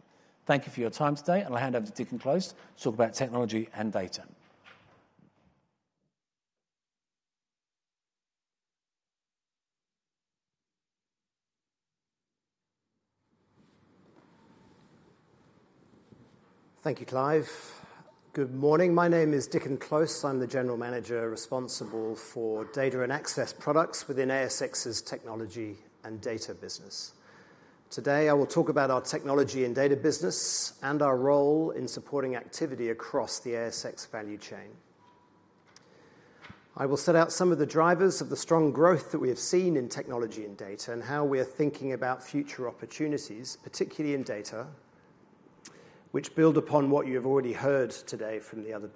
S6: Thank you for your time today, and I'll hand over to Dickon Close to talk about Technology and Data.
S7: Thank you, Clive. Good morning. My name is Dickon Close. I'm the general manager responsible for data and access products Technology and Data business. today, I will talk Technology and Data business and our role in supporting activity across the ASX value chain. I will set out some of the drivers of the strong growth that we have Technology and Data and how we are thinking about future opportunities, particularly in data, which build upon what you have already heard today from the other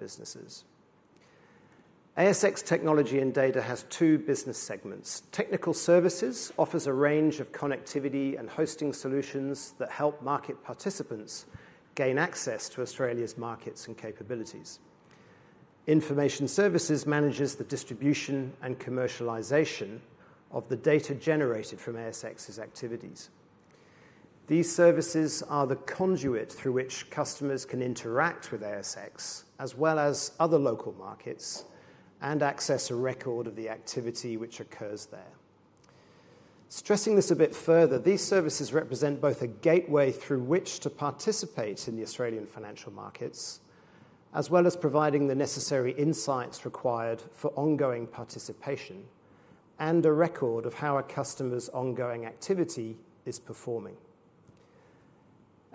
S7: Technology and Data has two business segments. Technical Services offers a range of connectivity and hosting solutions that help market participants gain access to Australia's markets and Information Services manages the distribution and commercialization of the data generated from ASX's activities. These services are the conduit through which customers can interact with ASX, as well as other local markets, and access a record of the activity which occurs there. Stressing this a bit further, these services represent both a gateway through which to participate in the Australian financial markets, as well as providing the necessary insights required for ongoing participation and a record of how a customer's ongoing activity is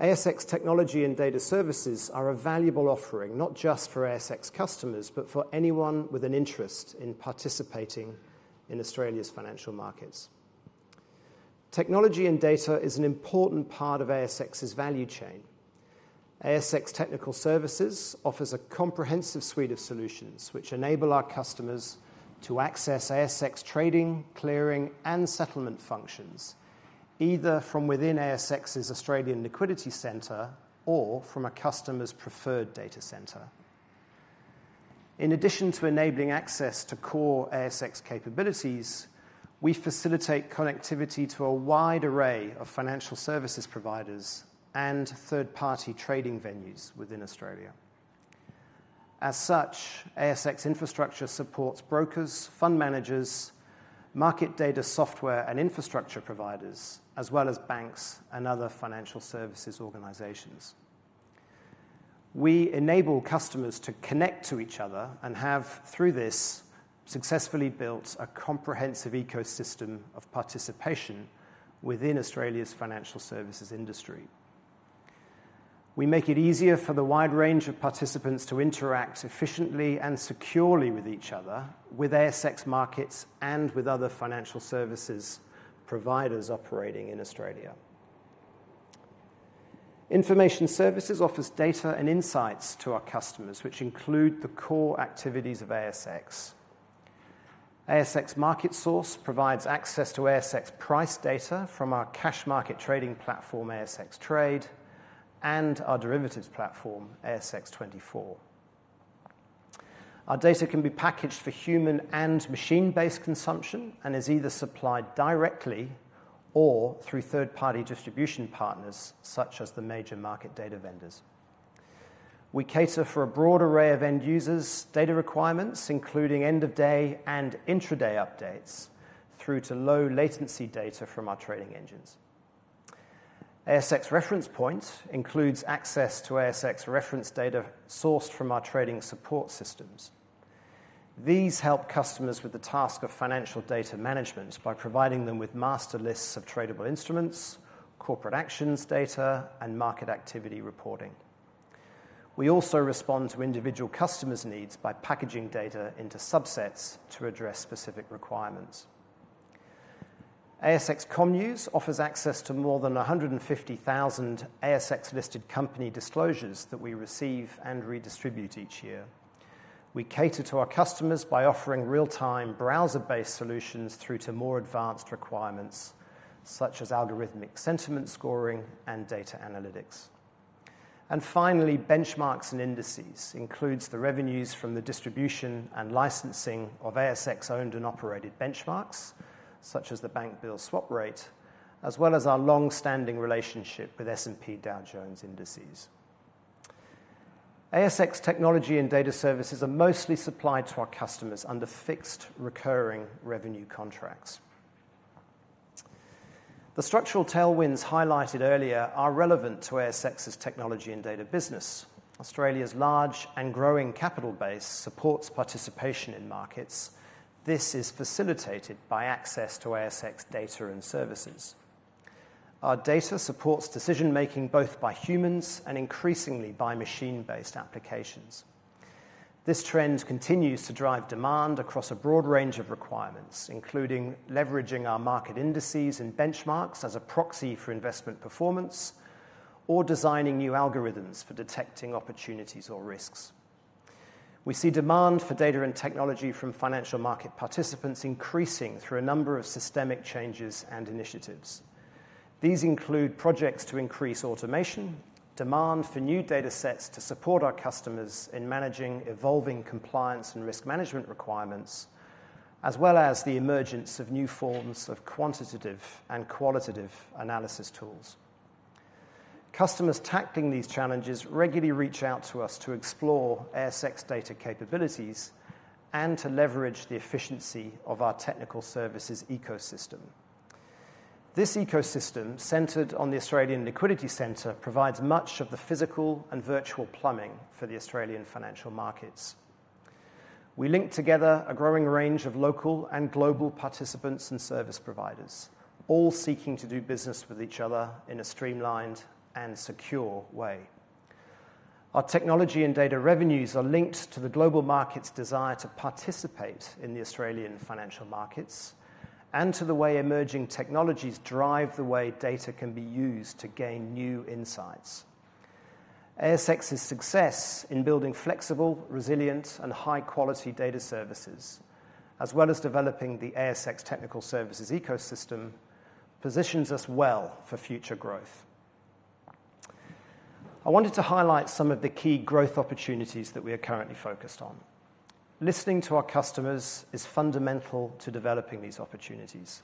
S7: Technology and Data services are a valuable offering not just for ASX customers, but for anyone with an interest in participating in Australia's Technology and Data is an important part of ASX's value chain. ASX Technical Services offers a comprehensive suite of solutions which enable our customers to access ASX trading, clearing, and settlement functions, either from within ASX's Australian Liquidity Centre or from a customer's preferred data center. In addition to enabling access to core ASX capabilities, we facilitate connectivity to a wide array of financial services providers and third-party trading venues within Australia. As such, ASX infrastructure supports brokers, fund managers, market data software and infrastructure providers, as well as banks and other financial services organizations. We enable customers to connect to each other and have, through this, successfully built a comprehensive ecosystem of participation within Australia's financial services industry. We make it easier for the wide range of participants to interact efficiently and securely with each other, with ASX markets and with other financial services providers operating in Information Services offers data and insights to our customers, which include the core activities of ASX. ASX Market Source provides access to ASX price data from our cash market trading platform, ASX Trade, and our derivatives platform, ASX 24. Our data can be packaged for human and machine-based consumption and is either supplied directly or through third-party distribution partners such as the major market data vendors. We cater for a broad array of end users' data requirements, including end-of-day and intraday updates, through to low-latency data from our trading engines. ASX ReferencePoint includes access to ASX reference data sourced from our trading support systems. These help customers with the task of financial data management by providing them with master lists of tradable instruments, corporate actions data, and market activity reporting. We also respond to individual customers' needs by packaging data into subsets to address specific requirements. ASX ComNews offers access to more than 150,000 ASX-listed company disclosures that we receive and redistribute each year. We cater to our customers by offering real-time browser-based solutions through to more advanced requirements such as algorithmic sentiment scoring and data analytics. Finally, Benchmarks and Indices includes the revenues from the distribution and licensing of ASX-owned and operated benchmarks such as the Bank Bill Swap Rate, as well as our long-standing relationship with S&P Dow Jones. Technology and Data services are mostly supplied to our customers under fixed recurring revenue contracts. The structural tailwinds highlighted earlier are relevant Technology and Data business. Australia's large and growing capital base supports participation in markets. This is facilitated by access to ASX data and services. Our data supports decision-making both by humans and increasingly by machine-based applications. This trend continues to drive demand across a broad range of requirements, including leveraging our market indices and benchmarks as a proxy for investment performance or designing new algorithms for detecting opportunities or risks. We see demand for data and technology from financial market participants increasing through a number of systemic changes and initiatives. These include projects to increase automation, demand for new data sets to support our customers in managing evolving compliance and risk management requirements, as well as the emergence of new forms of quantitative and qualitative analysis tools. Customers tackling these challenges regularly reach out to us to explore ASX data capabilities and to leverage the efficiency of our Technical Services ecosystem. This ecosystem centered on the Australian Liquidity Centre provides much of the physical and virtual plumbing for the Australian financial markets. We link together a growing range of local and global participants and service providers, all seeking to do business with each other in a streamlined and secure Technology and Data revenues are linked to the global market's desire to participate in the Australian financial markets and to the way emerging technologies drive the way data can be used to gain new insights. ASX's success in building flexible, resilient, and high-quality data services, as well as developing the ASX Technical Services ecosystem, positions us well for future growth. I wanted to highlight some of the key growth opportunities that we are currently focused on. Listening to our customers is fundamental to developing these opportunities.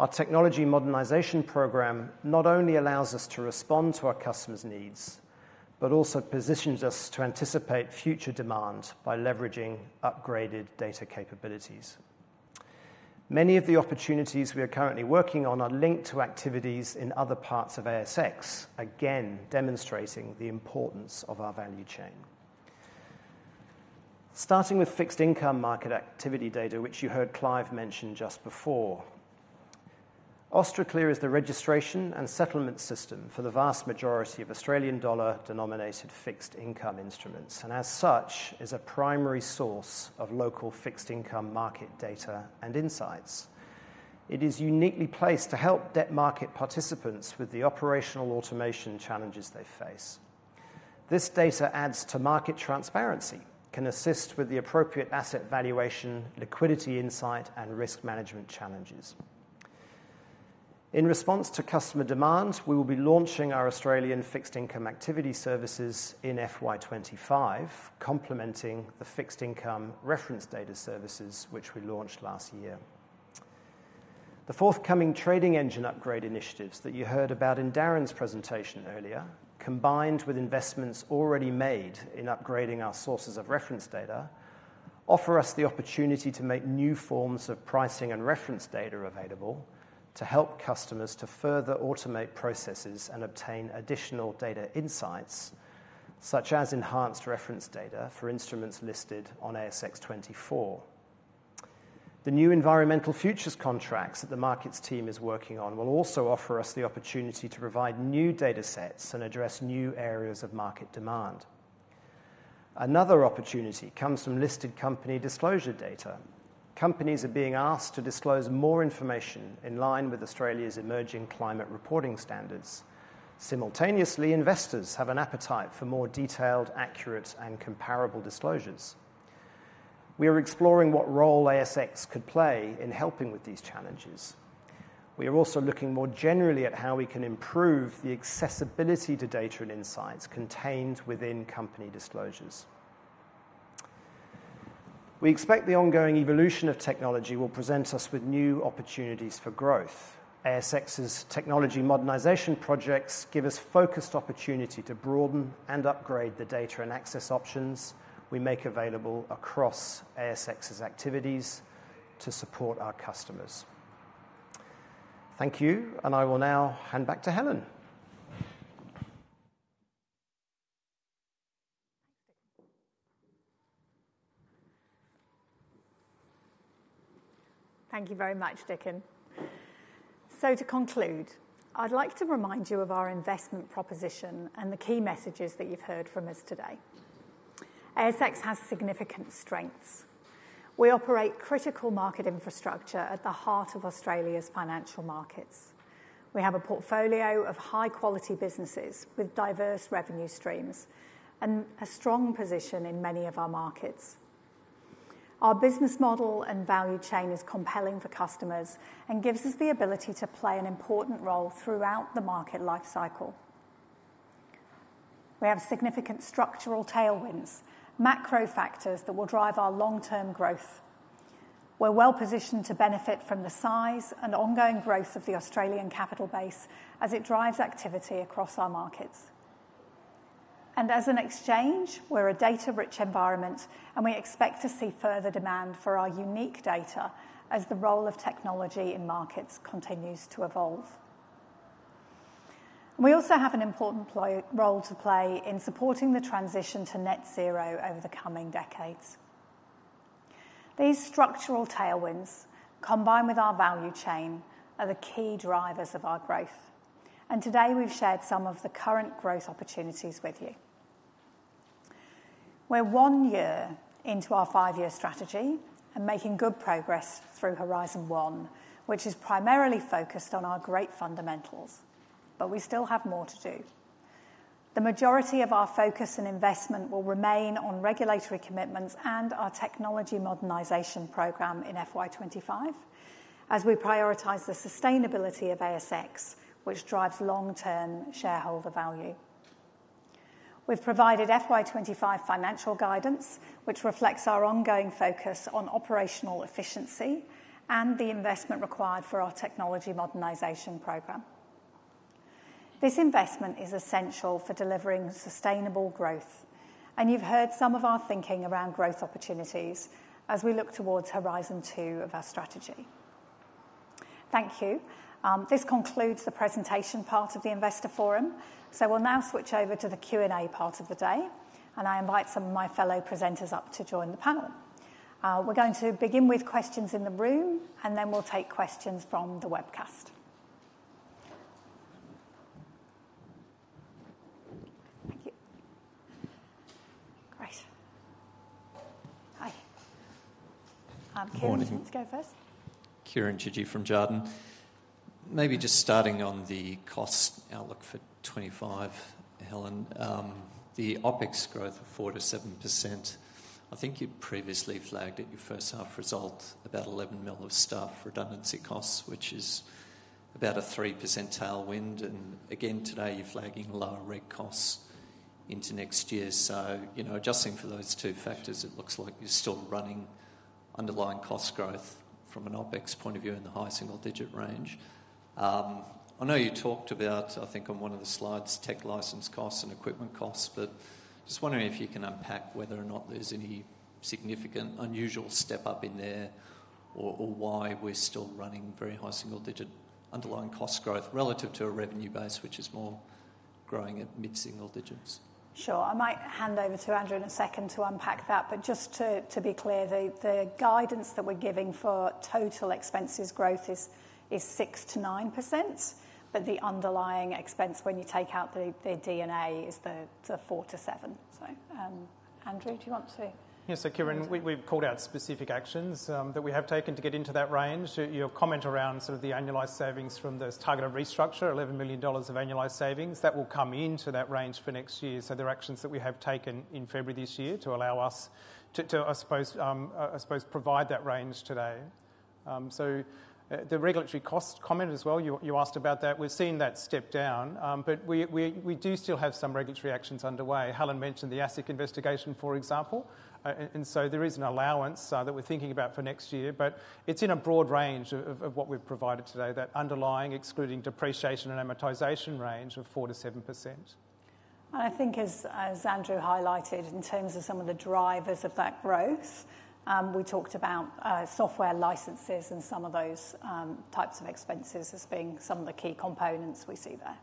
S7: Our technology modernization program not only allows us to respond to our customers' needs, but also positions us to anticipate future demand by leveraging upgraded data capabilities. Many of the opportunities we are currently working on are linked to activities in other parts of ASX, again demonstrating the importance of our value chain. Starting with fixed income market activity data, which you heard Clive mention just before, Austraclear is the registration and settlement system for the vast majority of Australian dollar-denominated fixed income instruments and, as such, is a primary source of local fixed income market data and insights. It is uniquely placed to help debt market participants with the operational automation challenges they face. This data adds to market transparency, can assist with the appropriate asset valuation, liquidity insight, and risk management challenges. In response to customer demand, we will be launching our Australian fixed income activity services in FY25, complementing the fixed income reference data services, which we launched last year. The forthcoming trading engine upgrade initiatives that you heard about in Darren's presentation earlier, combined with investments already made in upgrading our sources of reference data, offer us the opportunity to make new forms of pricing and reference data available to help customers to further automate processes and obtain additional data insights, such as enhanced reference data for instruments listed on ASX 24. The new environmental futures contracts that the markets team is working on will also offer us the opportunity to provide new data sets and address new areas of market demand. Another opportunity comes from listed company disclosure data. Companies are being asked to disclose more information in line with Australia's emerging climate reporting standards. Simultaneously, investors have an appetite for more detailed, accurate, and comparable disclosures. We are exploring what role ASX could play in helping with these challenges. We are also looking more generally at how we can improve the accessibility to data and insights contained within company disclosures. We expect the ongoing evolution of technology will present us with new opportunities for growth. ASX's technology modernization projects give us focused opportunity to broaden and upgrade the data and access options we make available across ASX's activities to support our customers. Thank you, and I will now hand back to Helen.
S1: Thank you very much, Dickon. So, to conclude, I'd like to remind you of our investment proposition and the key messages that you've heard from us today. ASX has significant strengths. We operate critical market infrastructure at the heart of Australia's financial markets. We have a portfolio of high-quality businesses with diverse revenue streams and a strong position in many of our markets. Our business model and value chain is compelling for customers and gives us the ability to play an important role throughout the market life cycle. We have significant structural tailwinds, macro factors that will drive our long-term growth. We're well positioned to benefit from the size and ongoing growth of the Australian capital base as it drives activity across our markets. As an exchange, we're a data-rich environment, and we expect to see further demand for our unique data as the role of technology in markets continues to evolve. We also have an important role to play in supporting the transition to net zero over the coming decades. These structural tailwinds, combined with our value chain, are the key drivers of our growth. Today, we've shared some of the current growth opportunities with you. We're one year into our five-year strategy and making good progress Horizon One, which is primarily focused on Great Fundamentals, but we still have more to do. The majority of our focus and investment will remain on regulatory commitments and our technology modernization program in FY25 as we prioritize the sustainability of ASX, which drives long-term shareholder value. We've provided FY25 financial guidance, which reflects our ongoing focus on operational efficiency and the investment required for our technology modernization program. This investment is essential for delivering sustainable growth, and you've heard some of our thinking around growth opportunities as we look towards Horizon Two of our strategy. Thank you. This concludes the presentation part of the Investor Forum. So, we'll now switch over to the Q&A part of the day, and I invite some of my fellow presenters up to join the panel. We're going to begin with questions in the room, and then we'll take questions from the webcast. Thank you. Great. Hi. Good morning. Kieran, do you want to go first?
S8: Kieran Chidgey from Jarden. Maybe just starting on the cost outlook for 2025, Helen, the OpEx growth of 4% to 7%. I think you previously flagged at your first half result about 11 million staff redundancy costs, which is about a 3% tailwind. Again, today, you're flagging lower redundancy costs into next year. So, you know, adjusting for those two factors, it looks like you're still running underlying cost growth from an OpEx point of view in the high single-digit range. I know you talked about, I think on one of the slides, tech license costs and equipment costs, but just wondering if you can unpack whether or not there's any significant unusual step up in there or why we're still running very high single-digit underlying cost growth relative to a revenue base which is more growing at mid-single digits.
S1: Sure. I might hand over to Andrew in a second to unpack that. But just to be clear, the guidance that we're giving for total expenses growth is 6% to 9%, but the underlying expense, when you take out the D&A, is the 4% to 7%. So, Andrew, do you want to?
S3: Yes. So, Kieran, we've called out specific actions that we have taken to get into that range. Your comment around sort of the annualized savings from this targeted restructure, 11 million dollars of annualized savings, that will come into that range for next year. So, there are actions that we have taken in February this year to allow us to, I suppose, provide that range today. So, the regulatory cost comment as well, you asked about that. We've seen that step down, but we do still have some regulatory actions underway. Helen mentioned the ASIC investigation, for example. There is an allowance that we're thinking about for next year, but it's in a broad range of what we've provided today, that underlying excluding depreciation and amortization range of 4% to 7%. And I think, as Andrew highlighted, in terms of some of the drivers of that growth, we talked about software licenses and some of those types of expenses as being some of the key components we see there.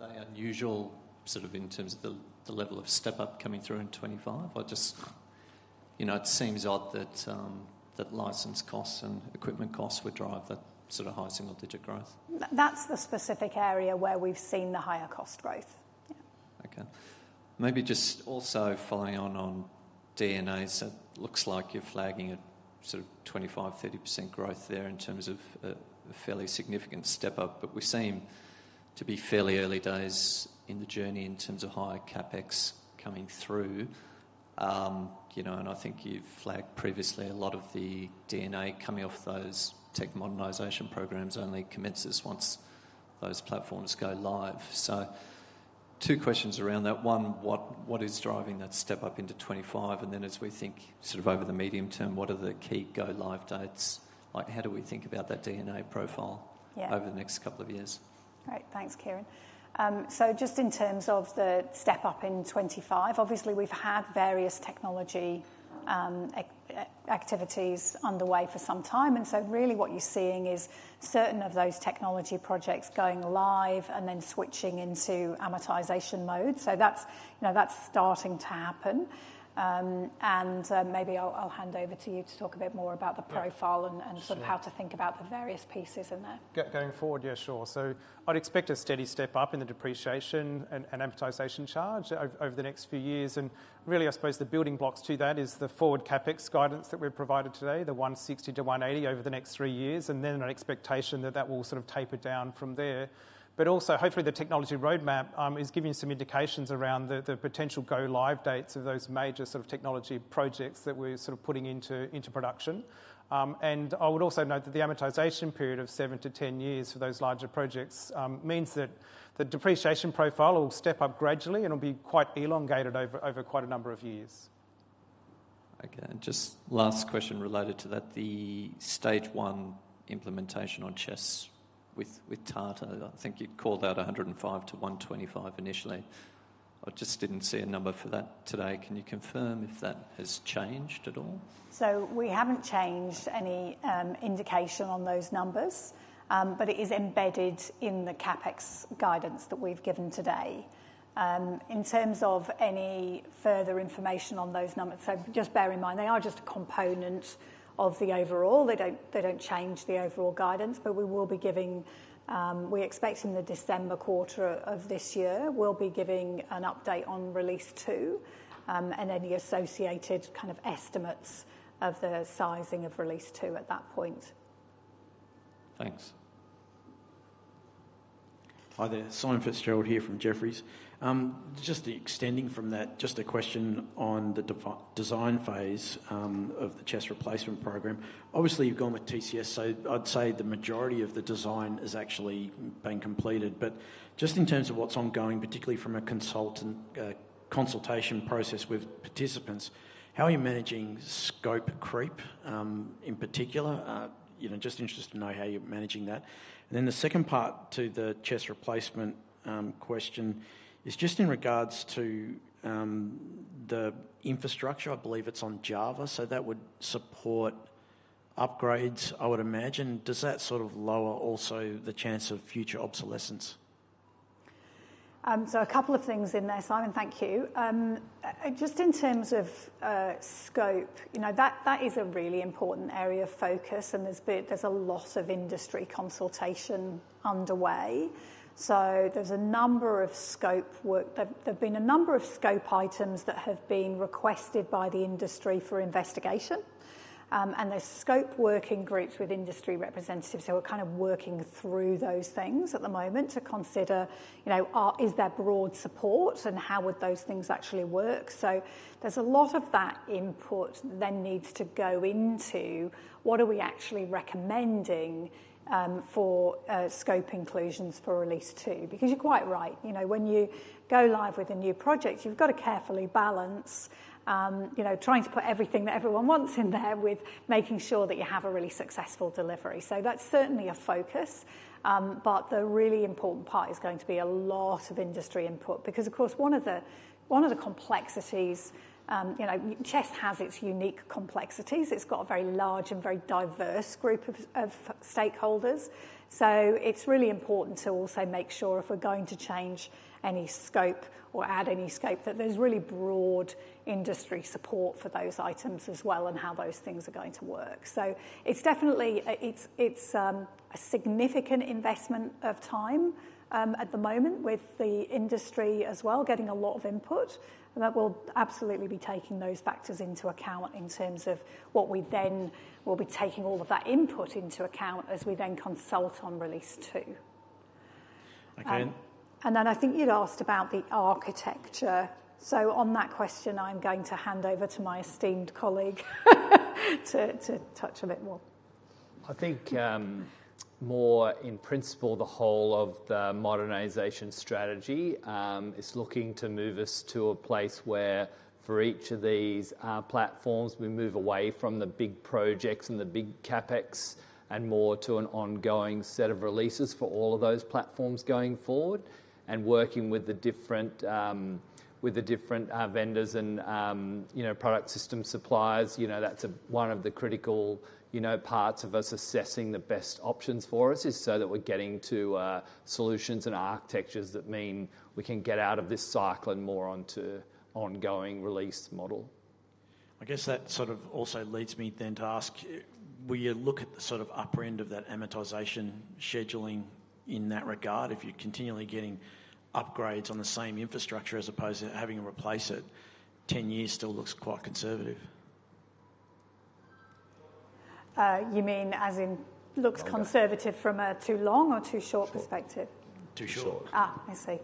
S3: Are they unusual sort of in terms of the level of step up coming through in 2025? I just, you know, it seems odd that license costs and equipment costs would drive that sort of high single-digit growth.
S1: That's the specific area where we've seen the higher cost growth. Yeah. Okay.
S8: Maybe just also following on D&A, so it looks like you're flagging a sort of 25% to 30% growth there in terms of a fairly significant step up, but we seem to be fairly early days in the journey in terms of higher CapEx coming through. You know, and I think you've flagged previously a lot of the D&A coming off those tech modernization programs only commences once those platforms go live. So, two questions around that. One, what is driving that step up into 2025? And then, as we think sort of over the medium term, what are the key go-live dates? Like, how do we think about that D&A profile over the next couple of years?
S1: Great. Thanks, Kieran. So, just in terms of the step up in 2025, obviously, we've had various technology activities underway for some time. And so, really, what you're seeing is certain of those technology projects going live and then switching into amortization mode. That's starting to happen. And maybe I'll hand over to you to talk a bit more about the profile and sort of how to think about the various pieces in there.
S7: Going forward, yeah, sure. I'd expect a steady step up in the depreciation and amortization charge over the next few years. And really, I suppose the building blocks to that is the forward CapEx guidance that we've provided today, the 160 million-180 million over the next three years, and then an expectation that that will sort of taper down from there. But also, hopefully, the technology roadmap is giving you some indications around the potential go-live dates of those major sort of technology projects that we're sort of putting into production. I would also note that the amortization period of 7 to 10 years for those larger projects means that the depreciation profile will step up gradually and will be quite elongated over quite a number of years. Okay. And just last question related to that, the stage one implementation on CHESS with Tata, I think you called out 105-125 initially. I just didn't see a number for that today. Can you confirm if that has changed at all? So, we haven't changed any indication on those numbers, but it is embedded in the CapEx guidance that we've given today. In terms of any further information on those numbers, so just bear in mind, they are just a component of the overall.
S1: They don't change the overall guidance, but we will be giving. We expect in the December quarter of this year, we'll be giving an update on release two and any associated kind of estimates of the sizing of release two at that point.
S9: Thanks. Hi there. Simon Fitzgerald here from Jefferies. Just extending from that, just a question on the design phase of the CHESS replacement program. Obviously, you've gone with TCS, so I'd say the majority of the design is actually being completed. But just in terms of what's ongoing, particularly from a consultant consultation process with participants, how are you managing scope creep in particular? Just interested to know how you're managing that. And then the second part to the CHESS replacement question is just in regards to the infrastructure. I believe it's on Java, so that would support upgrades, I would imagine. Does that sort of lower also the chance of future obsolescence? So, a couple of things in there. Simon, thank you. Just in terms of scope, you know, that is a really important area of focus, and there's a lot of industry consultation underway. So, there's a number of scope work. There've been a number of scope items that have been requested by the industry for investigation, and there's scope working groups with industry representatives. So, we're kind of working through those things at the moment to consider, you know, is there broad support and how would those things actually work? So, there's a lot of that input then needs to go into what are we actually recommending for scope inclusions for release two. Because you're quite right, you know, when you go live with a new project, you've got to carefully balance, you know, trying to put everything that everyone wants in there with making sure that you have a really successful delivery. So, that's certainly a focus, but the really important part is going to be a lot of industry input because, of course, one of the complexities, you know, CHESS has its unique complexities. It's got a very large and very diverse group of stakeholders. So, it's really important to also make sure if we're going to change any scope or add any scope, that there's really broad industry support for those items as well and how those things are going to work. So, it's definitely a significant investment of time at the moment with the industry as well, getting a lot of input, and that will absolutely be taking those factors into account in terms of what we then will be taking all of that input into account as we then consult on release two. Okay. And then I think you'd asked about the architecture. So, on that question, I'm going to hand over to my esteemed colleague to touch a bit more. I think more in principle, the whole of the modernization strategy is looking to move us to a place where for each of these platforms, we move away from the big projects and the big CapEx and more to an ongoing set of releases for all of those platforms going forward and working with the different vendors and, you know, product system suppliers. You know, that's one of the critical, you know, parts of us assessing the best options for us is so that we're getting to solutions and architectures that mean we can get out of this cycle and more onto ongoing release model. I guess that sort of also leads me then to ask, will you look at the sort of upper end of that amortization scheduling in that regard if you're continually getting upgrades on the same infrastructure as opposed to having to replace it? 10 years still looks quite conservative. You mean as in looks conservative from a too long or too short perspective? Too short. I see.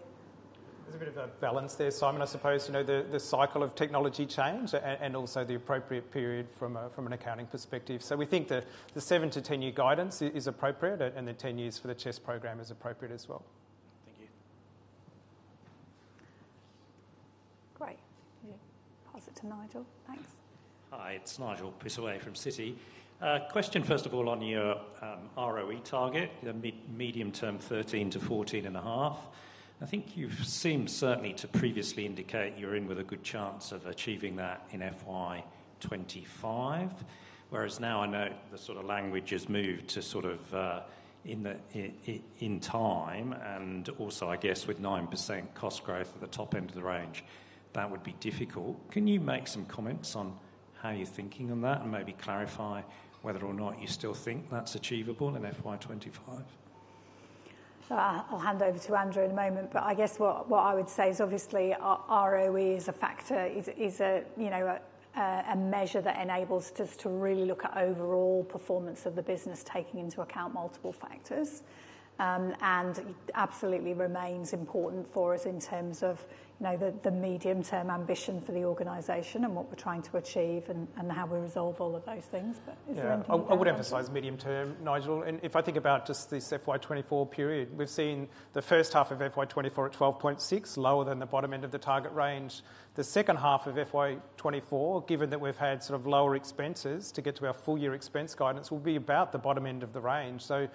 S9: There's a bit of a balance there, Simon, I suppose. You know, the cycle of technology change and also the appropriate period from an accounting perspective. So, we think the 7-10 year guidance is appropriate, and the 10 years for the CHESS program is appropriate as well. Thank you.
S1: Great. Pass it to Nigel. Thanks.
S10: Hi, it's Nigel Pittaway from Citi. Question, first of all, on your ROE target, the medium term 13% to 14.5%. I think you've seemed certainly to previously indicate you're in with a good chance of achieving that in FY25, whereas now I know the sort of language has moved to sort of in time. And also, I guess with 9% cost growth at the top end of the range, that would be difficult. Can you make some comments on how you're thinking on that and maybe clarify whether or not you still think that's achievable in FY25?
S1: So, I'll hand over to Andrew in a moment, but I guess what I would say is obviously ROE is a factor, is a, you know, a measure that enables us to really look at overall performance of the business, taking into account multiple factors. Absolutely remains important for us in terms of, you know, the medium term ambition for the organization and what we're trying to achieve and how we resolve all of those things.
S3: But is there anything else? I would emphasize medium term, Nigel. If I think about just this FY24 period, we've seen the first half of FY24 at 12.6, lower than the bottom end of the target range. The second half of FY24, given that we've had sort of lower expenses to get to our full year expense guidance, will be about the bottom end of the range. So,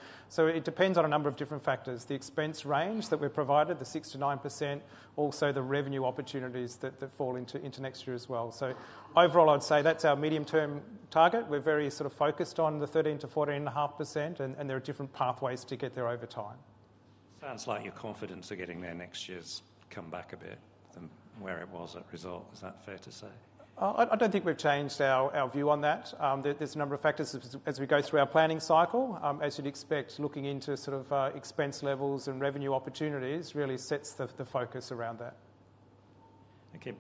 S3: it depends on a number of different factors. The expense range that we've provided, the 6%-9%, also the revenue opportunities that fall into next year as well. So, overall, I'd say that's our medium term target. We're very sort of focused on the 13% to 14.5%, and there are different pathways to get there over time.
S10: Sounds like your confidence of getting there next year's come back a bit from where it was at result. Is that fair to say?
S3: I don't think we've changed our view on that. There's a number of factors as we go through our planning cycle. As you'd expect, looking into sort of expense levels and revenue opportunities really sets the focus around that.
S10: Okay.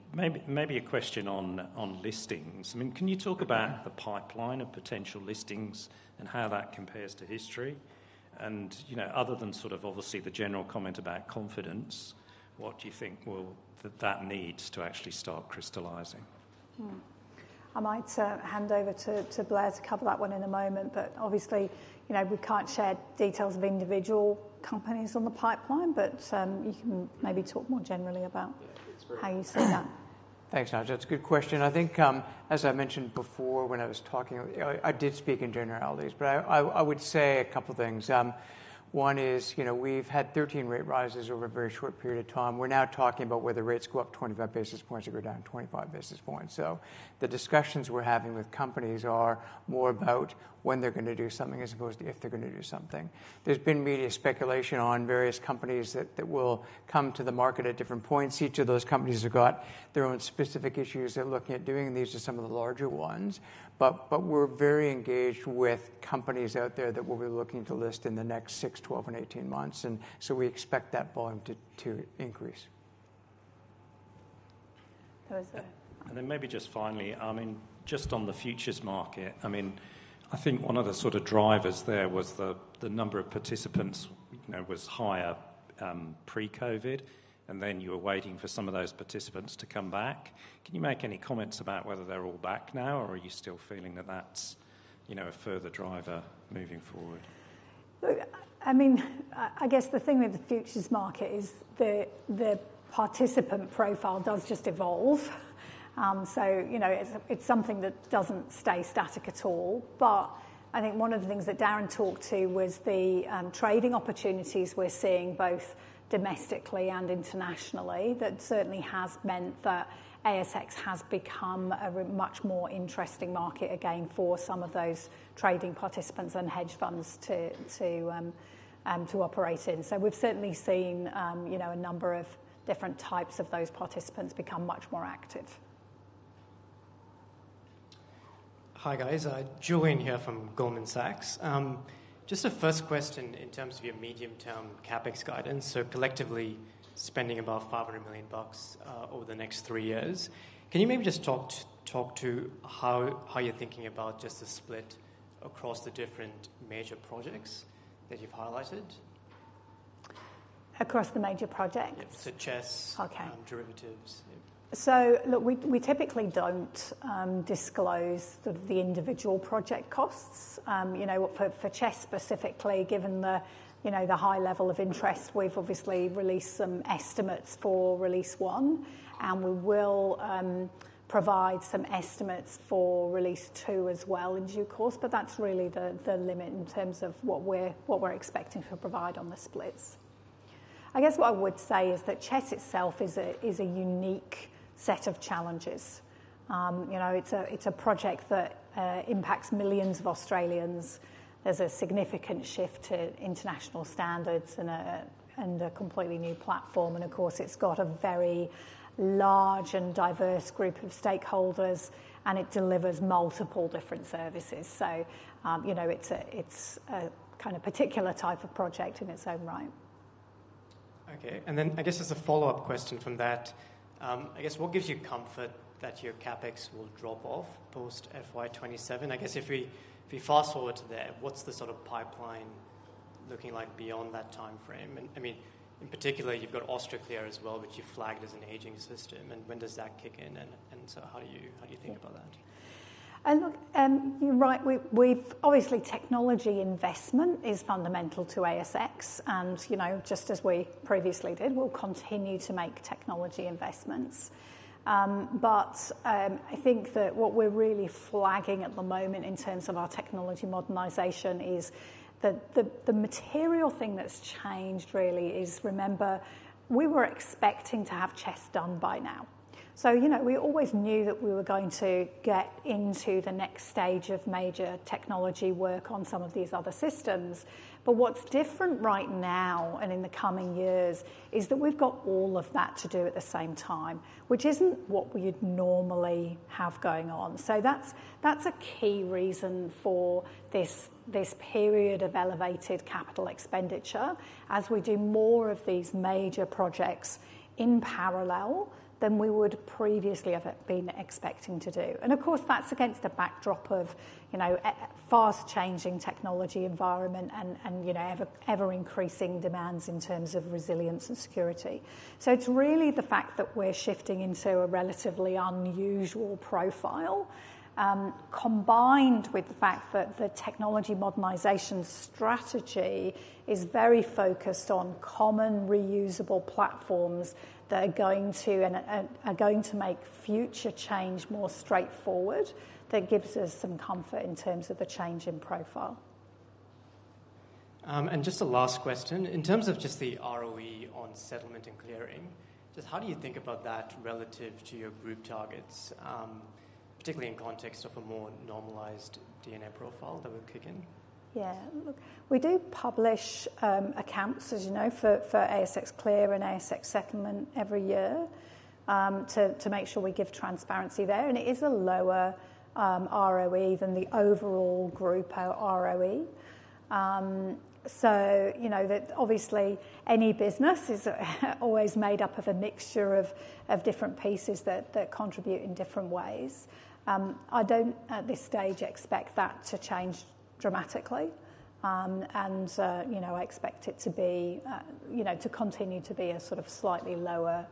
S10: Maybe a question on listings. I mean, can you talk about the pipeline of potential listings and how that compares to history? You know, other than sort of obviously the general comment about confidence, what do you think will that need to actually start crystallizing? I might hand over to Blair to cover that one in a moment, but obviously, you know, we can't share details of individual companies on the pipeline, but you can maybe talk more generally about how you see that.
S3: Thanks, Nigel. That's a good question. I think, as I mentioned before, when I was talking, I did speak in generalities, but I would say a couple of things. One is, you know, we've had 13 rate rises over a very short period of time. We're now talking about whether rates go up 25 basis points or go down 25 basis points. So, the discussions we're having with companies are more about when they're going to do something as opposed to if they're going to do something. There's been media speculation on various companies that will come to the market at different points. Each of those companies have got their own specific issues they're looking at doing. These are some of the larger ones. But we're very engaged with companies out there that we'll be looking to list in the next six, 12, and 18 months. And so, we expect that volume to increase. And then maybe just finally, I mean, just on the futures market, I mean, I think one of the sort of drivers there was the number of participants, you know, was higher pre-COVID, and then you were waiting for some of those participants to come back. Can you make any comments about whether they're all back now, or are you still feeling that that's, you know, a further driver moving forward?
S1: Look, I mean, I guess the thing with the futures market is the participant profile does just evolve. So, you know, it's something that doesn't stay static at all. But I think one of the things that Darren talked to was the trading opportunities we're seeing both domestically and internationally that certainly has meant that ASX has become a much more interesting market again for some of those trading participants and hedge funds to operate in. So, we've certainly seen, you know, a number of different types of those participants become much more active.
S11: Hi, guys. Julian here from Goldman Sachs. Just a first question in terms of your medium term CapEx guidance. So, collectively spending about 500 million bucks over the next three years. Can you maybe just talk to how you're thinking about just the split across the different major projects that you've highlighted?
S1: Across the major projects?
S11: Yes, for CHESS, derivatives.
S1: So, look, we typically don't disclose sort of the individual project costs. You know, for CHESS specifically, given the, you know, the high level of interest, we've obviously released some estimates for release one, and we will provide some estimates for release two as well in due course. But that's really the limit in terms of what we're expecting to provide on the splits. I guess what I would say is that CHESS itself is a unique set of challenges. You know, it's a project that impacts millions of Australians. There's a significant shift to international standards and a completely new platform. And of course, it's got a very large and diverse group of stakeholders, and it delivers multiple different services. So, you know, it's a kind of particular type of project in its own right.
S11: Okay. And then I guess as a follow-up question from that, I guess what gives you comfort that your CapEx will drop off post FY27? I guess if we fast forward to that, what's the sort of pipeline looking like beyond that timeframe? And I mean, in particular, you've got Austraclear as well, which you've flagged as an aging system. And when does that kick in? And so, how do you think about that?
S1: And look, you're right. We've obviously technology investment is fundamental to ASX. And, you know, just as we previously did, we'll continue to make technology investments. But I think that what we're really flagging at the moment in terms of our technology modernization is that the material thing that's changed really is, remember, we were expecting to have CHESS done by now. So, you know, we always knew that we were going to get into the next stage of major technology work on some of these other systems. But what's different right now and in the coming years is that we've got all of that to do at the same time, which isn't what we'd normally have going on. So, that's a key reason for this period of elevated capital expenditure as we do more of these major projects in parallel than we would previously have been expecting to do. And of course, that's against the backdrop of, you know, fast changing technology environment and, you know, ever increasing demands in terms of resilience and security. So, it's really the fact that we're shifting into a relatively unusual profile combined with the fact that the technology modernization strategy is very focused on common reusable platforms that are going to make future change more straightforward. That gives us some comfort in terms of the change in profile. And just a last question. In terms of just the ROE on settlement and clearing, just how do you think about that relative to your group targets, particularly in context of a more normalized D&A profile that will kick in? Yeah. Look, we do publish accounts, as you know, for ASX Clear and ASX Settlement every year to make sure we give transparency there. And it is a lower ROE than the overall group ROE. So, you know, that obviously any business is always made up of a mixture of different pieces that contribute in different ways. I don't at this stage expect that to change dramatically. And, you know, I expect it to be, you know, to continue to be a sort of slightly lower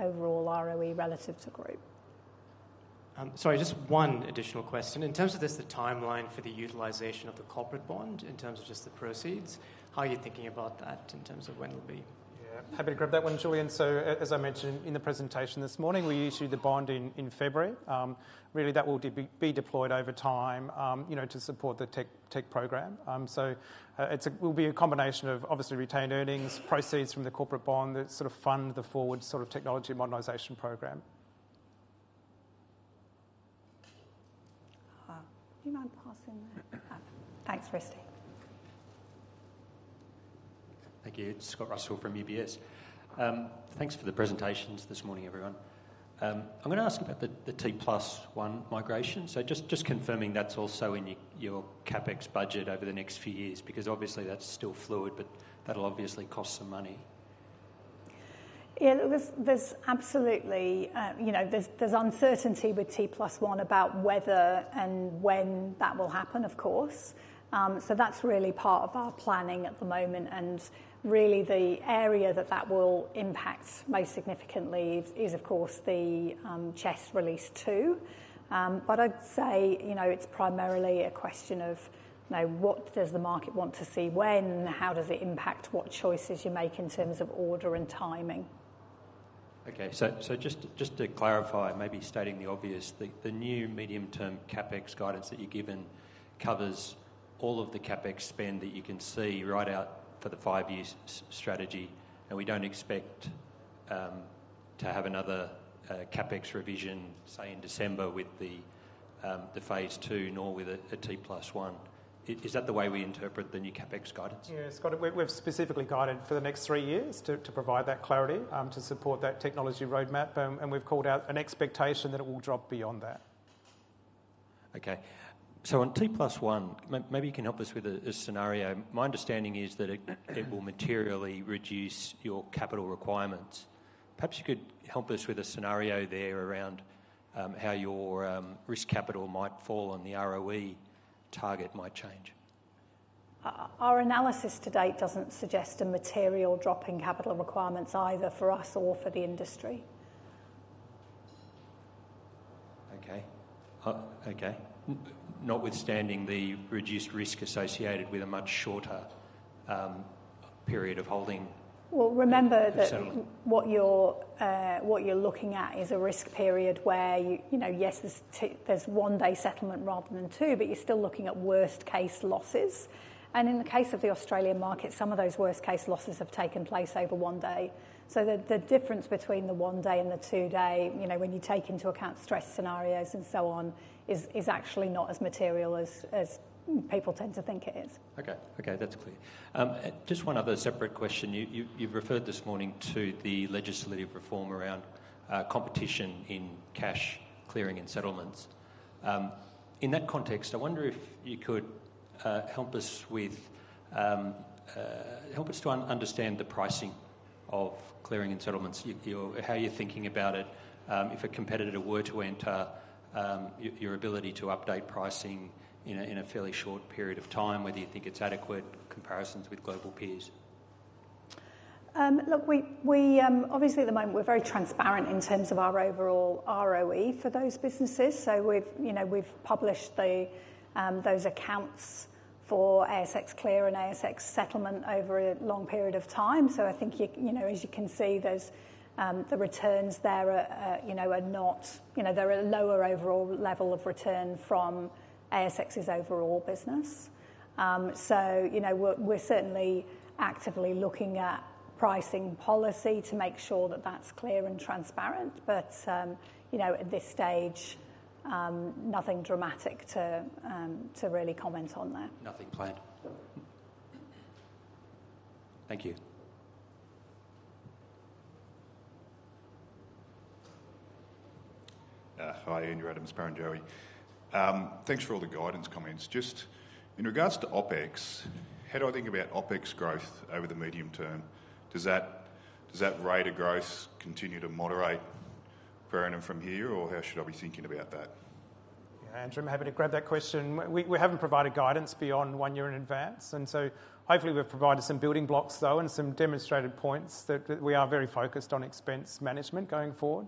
S1: overall ROE relative to group.
S11: Sorry, just one additional question. In terms of just the timeline for the utilization of the corporate bond in terms of just the proceeds, how are you thinking about that in terms of when it'll be? Yeah. Happy to grab that one, Julian. So, as I mentioned in the presentation this morning, we issue the bond in February. Really, that will be deployed over time, you know, to support the tech program. So, it will be a combination of obviously retained earnings, proceeds from the corporate bond that sort of fund the forward sort of technology modernization program.
S1: Do you mind passing that? Thanks, Kirsty.
S12: Thank you. It's Scott Russell from UBS. Thanks for the presentations this morning, everyone. I'm going to ask about the T plus one migration. So, just confirming that's also in your CapEx budget over the next few years because obviously that's still fluid, but that'll obviously cost some money.
S1: Yeah, look, there's absolutely, you know, there's uncertainty with T plus one about whether and when that will happen, of course. So, that's really part of our planning at the moment. And really, the area that that will impact most significantly is, of course, the CHESS release two. But I'd say, you know, it's primarily a question of, you know, what does the market want to see when? How does it impact what choices you make in terms of order and timing? Okay.
S12: So, just to clarify, maybe stating the obvious, the new medium-term CapEx guidance that you're given covers all of the CapEx spend that you can see right out for the five-year strategy. And we don't expect to have another CapEx revision, say, in December with the phase two, nor with a T plus one. Is that the way we interpret the new CapEx guidance? Yeah, Scott, we've specifically guided for the next three years to provide that clarity to support that technology roadmap. And we've called out an expectation that it will drop beyond that. Okay. So, on T plus one, maybe you can help us with a scenario. My understanding is that it will materially reduce your capital requirements. Perhaps you could help us with a scenario there around how your risk capital might fall and the ROE target might change.
S1: Our analysis to date doesn't suggest a material drop in capital requirements either for us or for the industry. Okay. Okay. Notwithstanding the reduced risk associated with a much shorter period of holding. Well, remember that what you're looking at is a risk period where, you know, yes, there's one day settlement rather than two, but you're still looking at worst case losses. And in the case of the Australian market, some of those worst case losses have taken place over one day. So, the difference between the one day and the two day, you know, when you take into account stress scenarios and so on, is actually not as material as people tend to think it is.
S12: Okay. Okay. That's clear. Just one other separate question. You've referred this morning to the legislative reform around competition in cash clearing and settlements. In that context, I wonder if you could help us to understand the pricing of clearing and settlements, how you're thinking about it. If a competitor were to enter, your ability to update pricing in a fairly short period of time, whether you think it's adequate, comparisons with global peers.
S1: Look, we obviously at the moment we're very transparent in terms of our overall ROE for those businesses. So, we've, you know, we've published those accounts for ASX Clear and ASX Settlement over a long period of time. So, I think, you know, as you can see, there's the returns there, you know, are not, you know, they're a lower overall level of return from ASX's overall business. So, you know, we're certainly actively looking at pricing policy to make sure that that's clear and transparent. But, you know, at this stage, nothing dramatic to really comment on there.
S12: Nothing. Thank you.
S13: Hi, Andrew Adams, Barrenjoey. Thanks for all the guidance comments. Just in regards to OpEx, how do I think about OpEx growth over the medium term? Does that rate of growth continue to moderate current and from here, or how should I be thinking about that?
S14: Yeah, Andrew, I'm happy to grab that question. We haven't provided guidance beyond one year in advance. So, hopefully, we've provided some building blocks though and some demonstrated points that we are very focused on expense management going forward.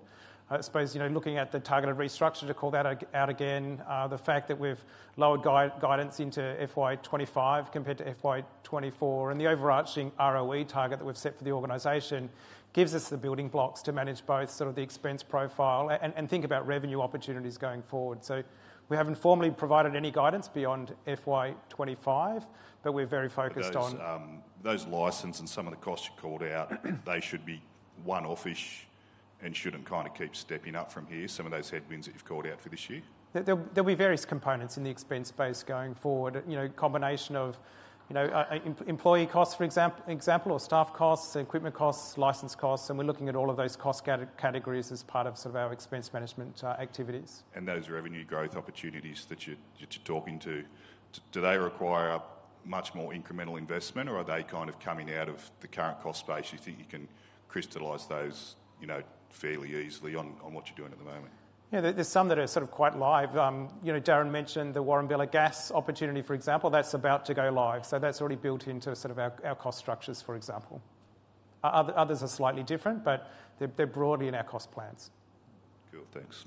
S14: I suppose, you know, looking at the targeted restructure to call that out again, the fact that we've lowered guidance into FY25 compared to FY24 and the overarching ROE target that we've set for the organization gives us the building blocks to manage both sort of the expense profile and think about revenue opportunities going forward. So, we haven't formally provided any guidance beyond FY25, but we're very focused on.
S13: Those license and some of the costs you called out, they should be one-offish and shouldn't kind of keep stepping up from here. Some of those headwinds that you've called out for this year.
S14: There'll be various components in the expense space going forward. You know, combination of, you know, employee costs, for example, or staff costs, equipment costs, license costs. And we're looking at all of those cost categories as part of sort of our expense management activities.
S13: Those revenue growth opportunities that you're talking to, do they require much more incremental investment or are they kind of coming out of the current cost space? You think you can crystallize those, you know, fairly easily on what you're doing at the moment?
S14: Yeah, there's some that are sort of quite live. You know, Darren mentioned the Wallumbilla gas opportunity, for example. That's about to go live. So, that's already built into sort of our cost structures, for example. Others are slightly different, but they're broadly in our cost plans.
S13: Cool. Thanks.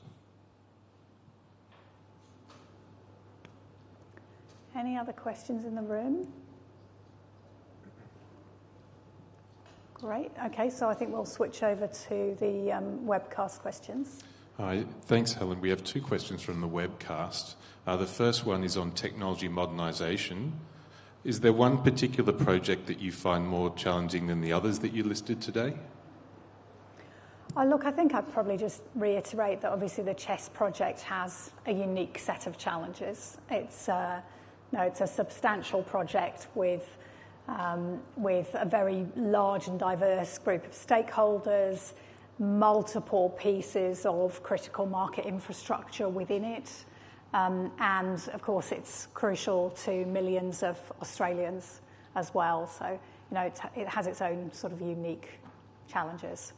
S1: Any other questions in the room? Great. Okay. So, I think we'll switch over to the webcast questions.
S14: Hi. Thanks, Helen. We have two questions from the webcast. The first one is on technology modernization. Is there one particular project that you find more challenging than the others that you listed today?
S1: Look, I think I'd probably just reiterate that obviously the CHESS project has a unique set of challenges. It's a substantial project with a very large and diverse group of stakeholders, multiple pieces of critical market infrastructure within it. And of course, it's crucial to millions of Australians as well. So, you know, it has its own sort of unique challenges.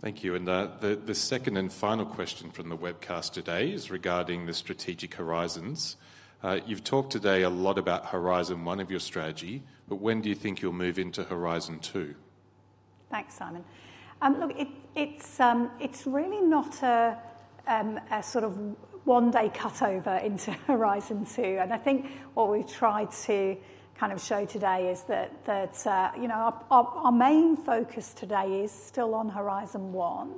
S14: Thank you. And the second and final question from the webcast today is regarding the strategic horizons. You've talked today a lot Horizon One of your strategy, but when do you think you'll move into Horizon Two?
S1: Thanks, Simon. Look, it's really not a sort of one day cut over into Horizon Two. And I think what we've tried to kind of show today is that, you know, our main focus today is still on Horizon One.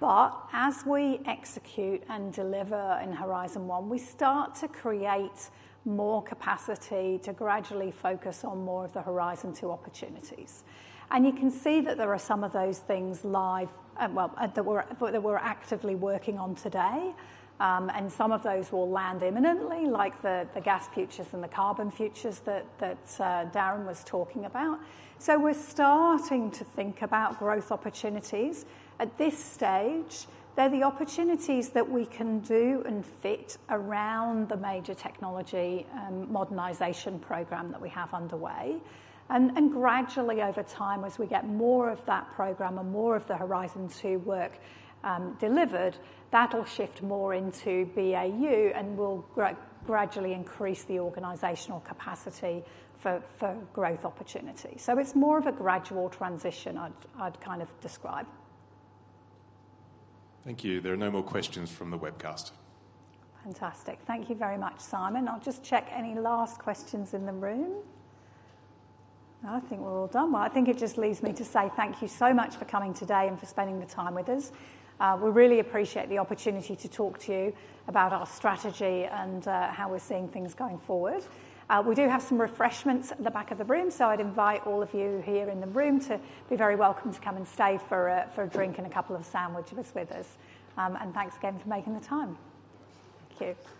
S1: But as we execute and deliver Horizon One, we start to create more capacity to gradually focus on more of the Horizon Two opportunities. And you can see that there are some of those things live, well, that we're actively working on today. And some of those will land imminently, like the gas futures and the carbon futures that Darren was talking about. So, we're starting to think about growth opportunities. At this stage, they're the opportunities that we can do and fit around the major technology modernization program that we have underway. And gradually over time, as we get more of that program and more of the Horizon Two work delivered, that'll shift more into BAU and will gradually increase the organizational capacity for growth opportunity. So, it's more of a gradual transition I'd kind of describe.
S14: Thank you. There are no more questions from the webcast. Fantastic.
S1: Thank you very much, Simon. I'll just check any last questions in the room. I think we're all done. Well, I think it just leaves me to say thank you so much for coming today and for spending the time with us. We really appreciate the opportunity to talk to you about our strategy and how we're seeing things going forward. We do have some refreshments at the back of the room, so I'd invite all of you here in the room to be very welcome to come and stay for a drink and a couple of sandwiches with us. Thanks again for making the time. Thank you.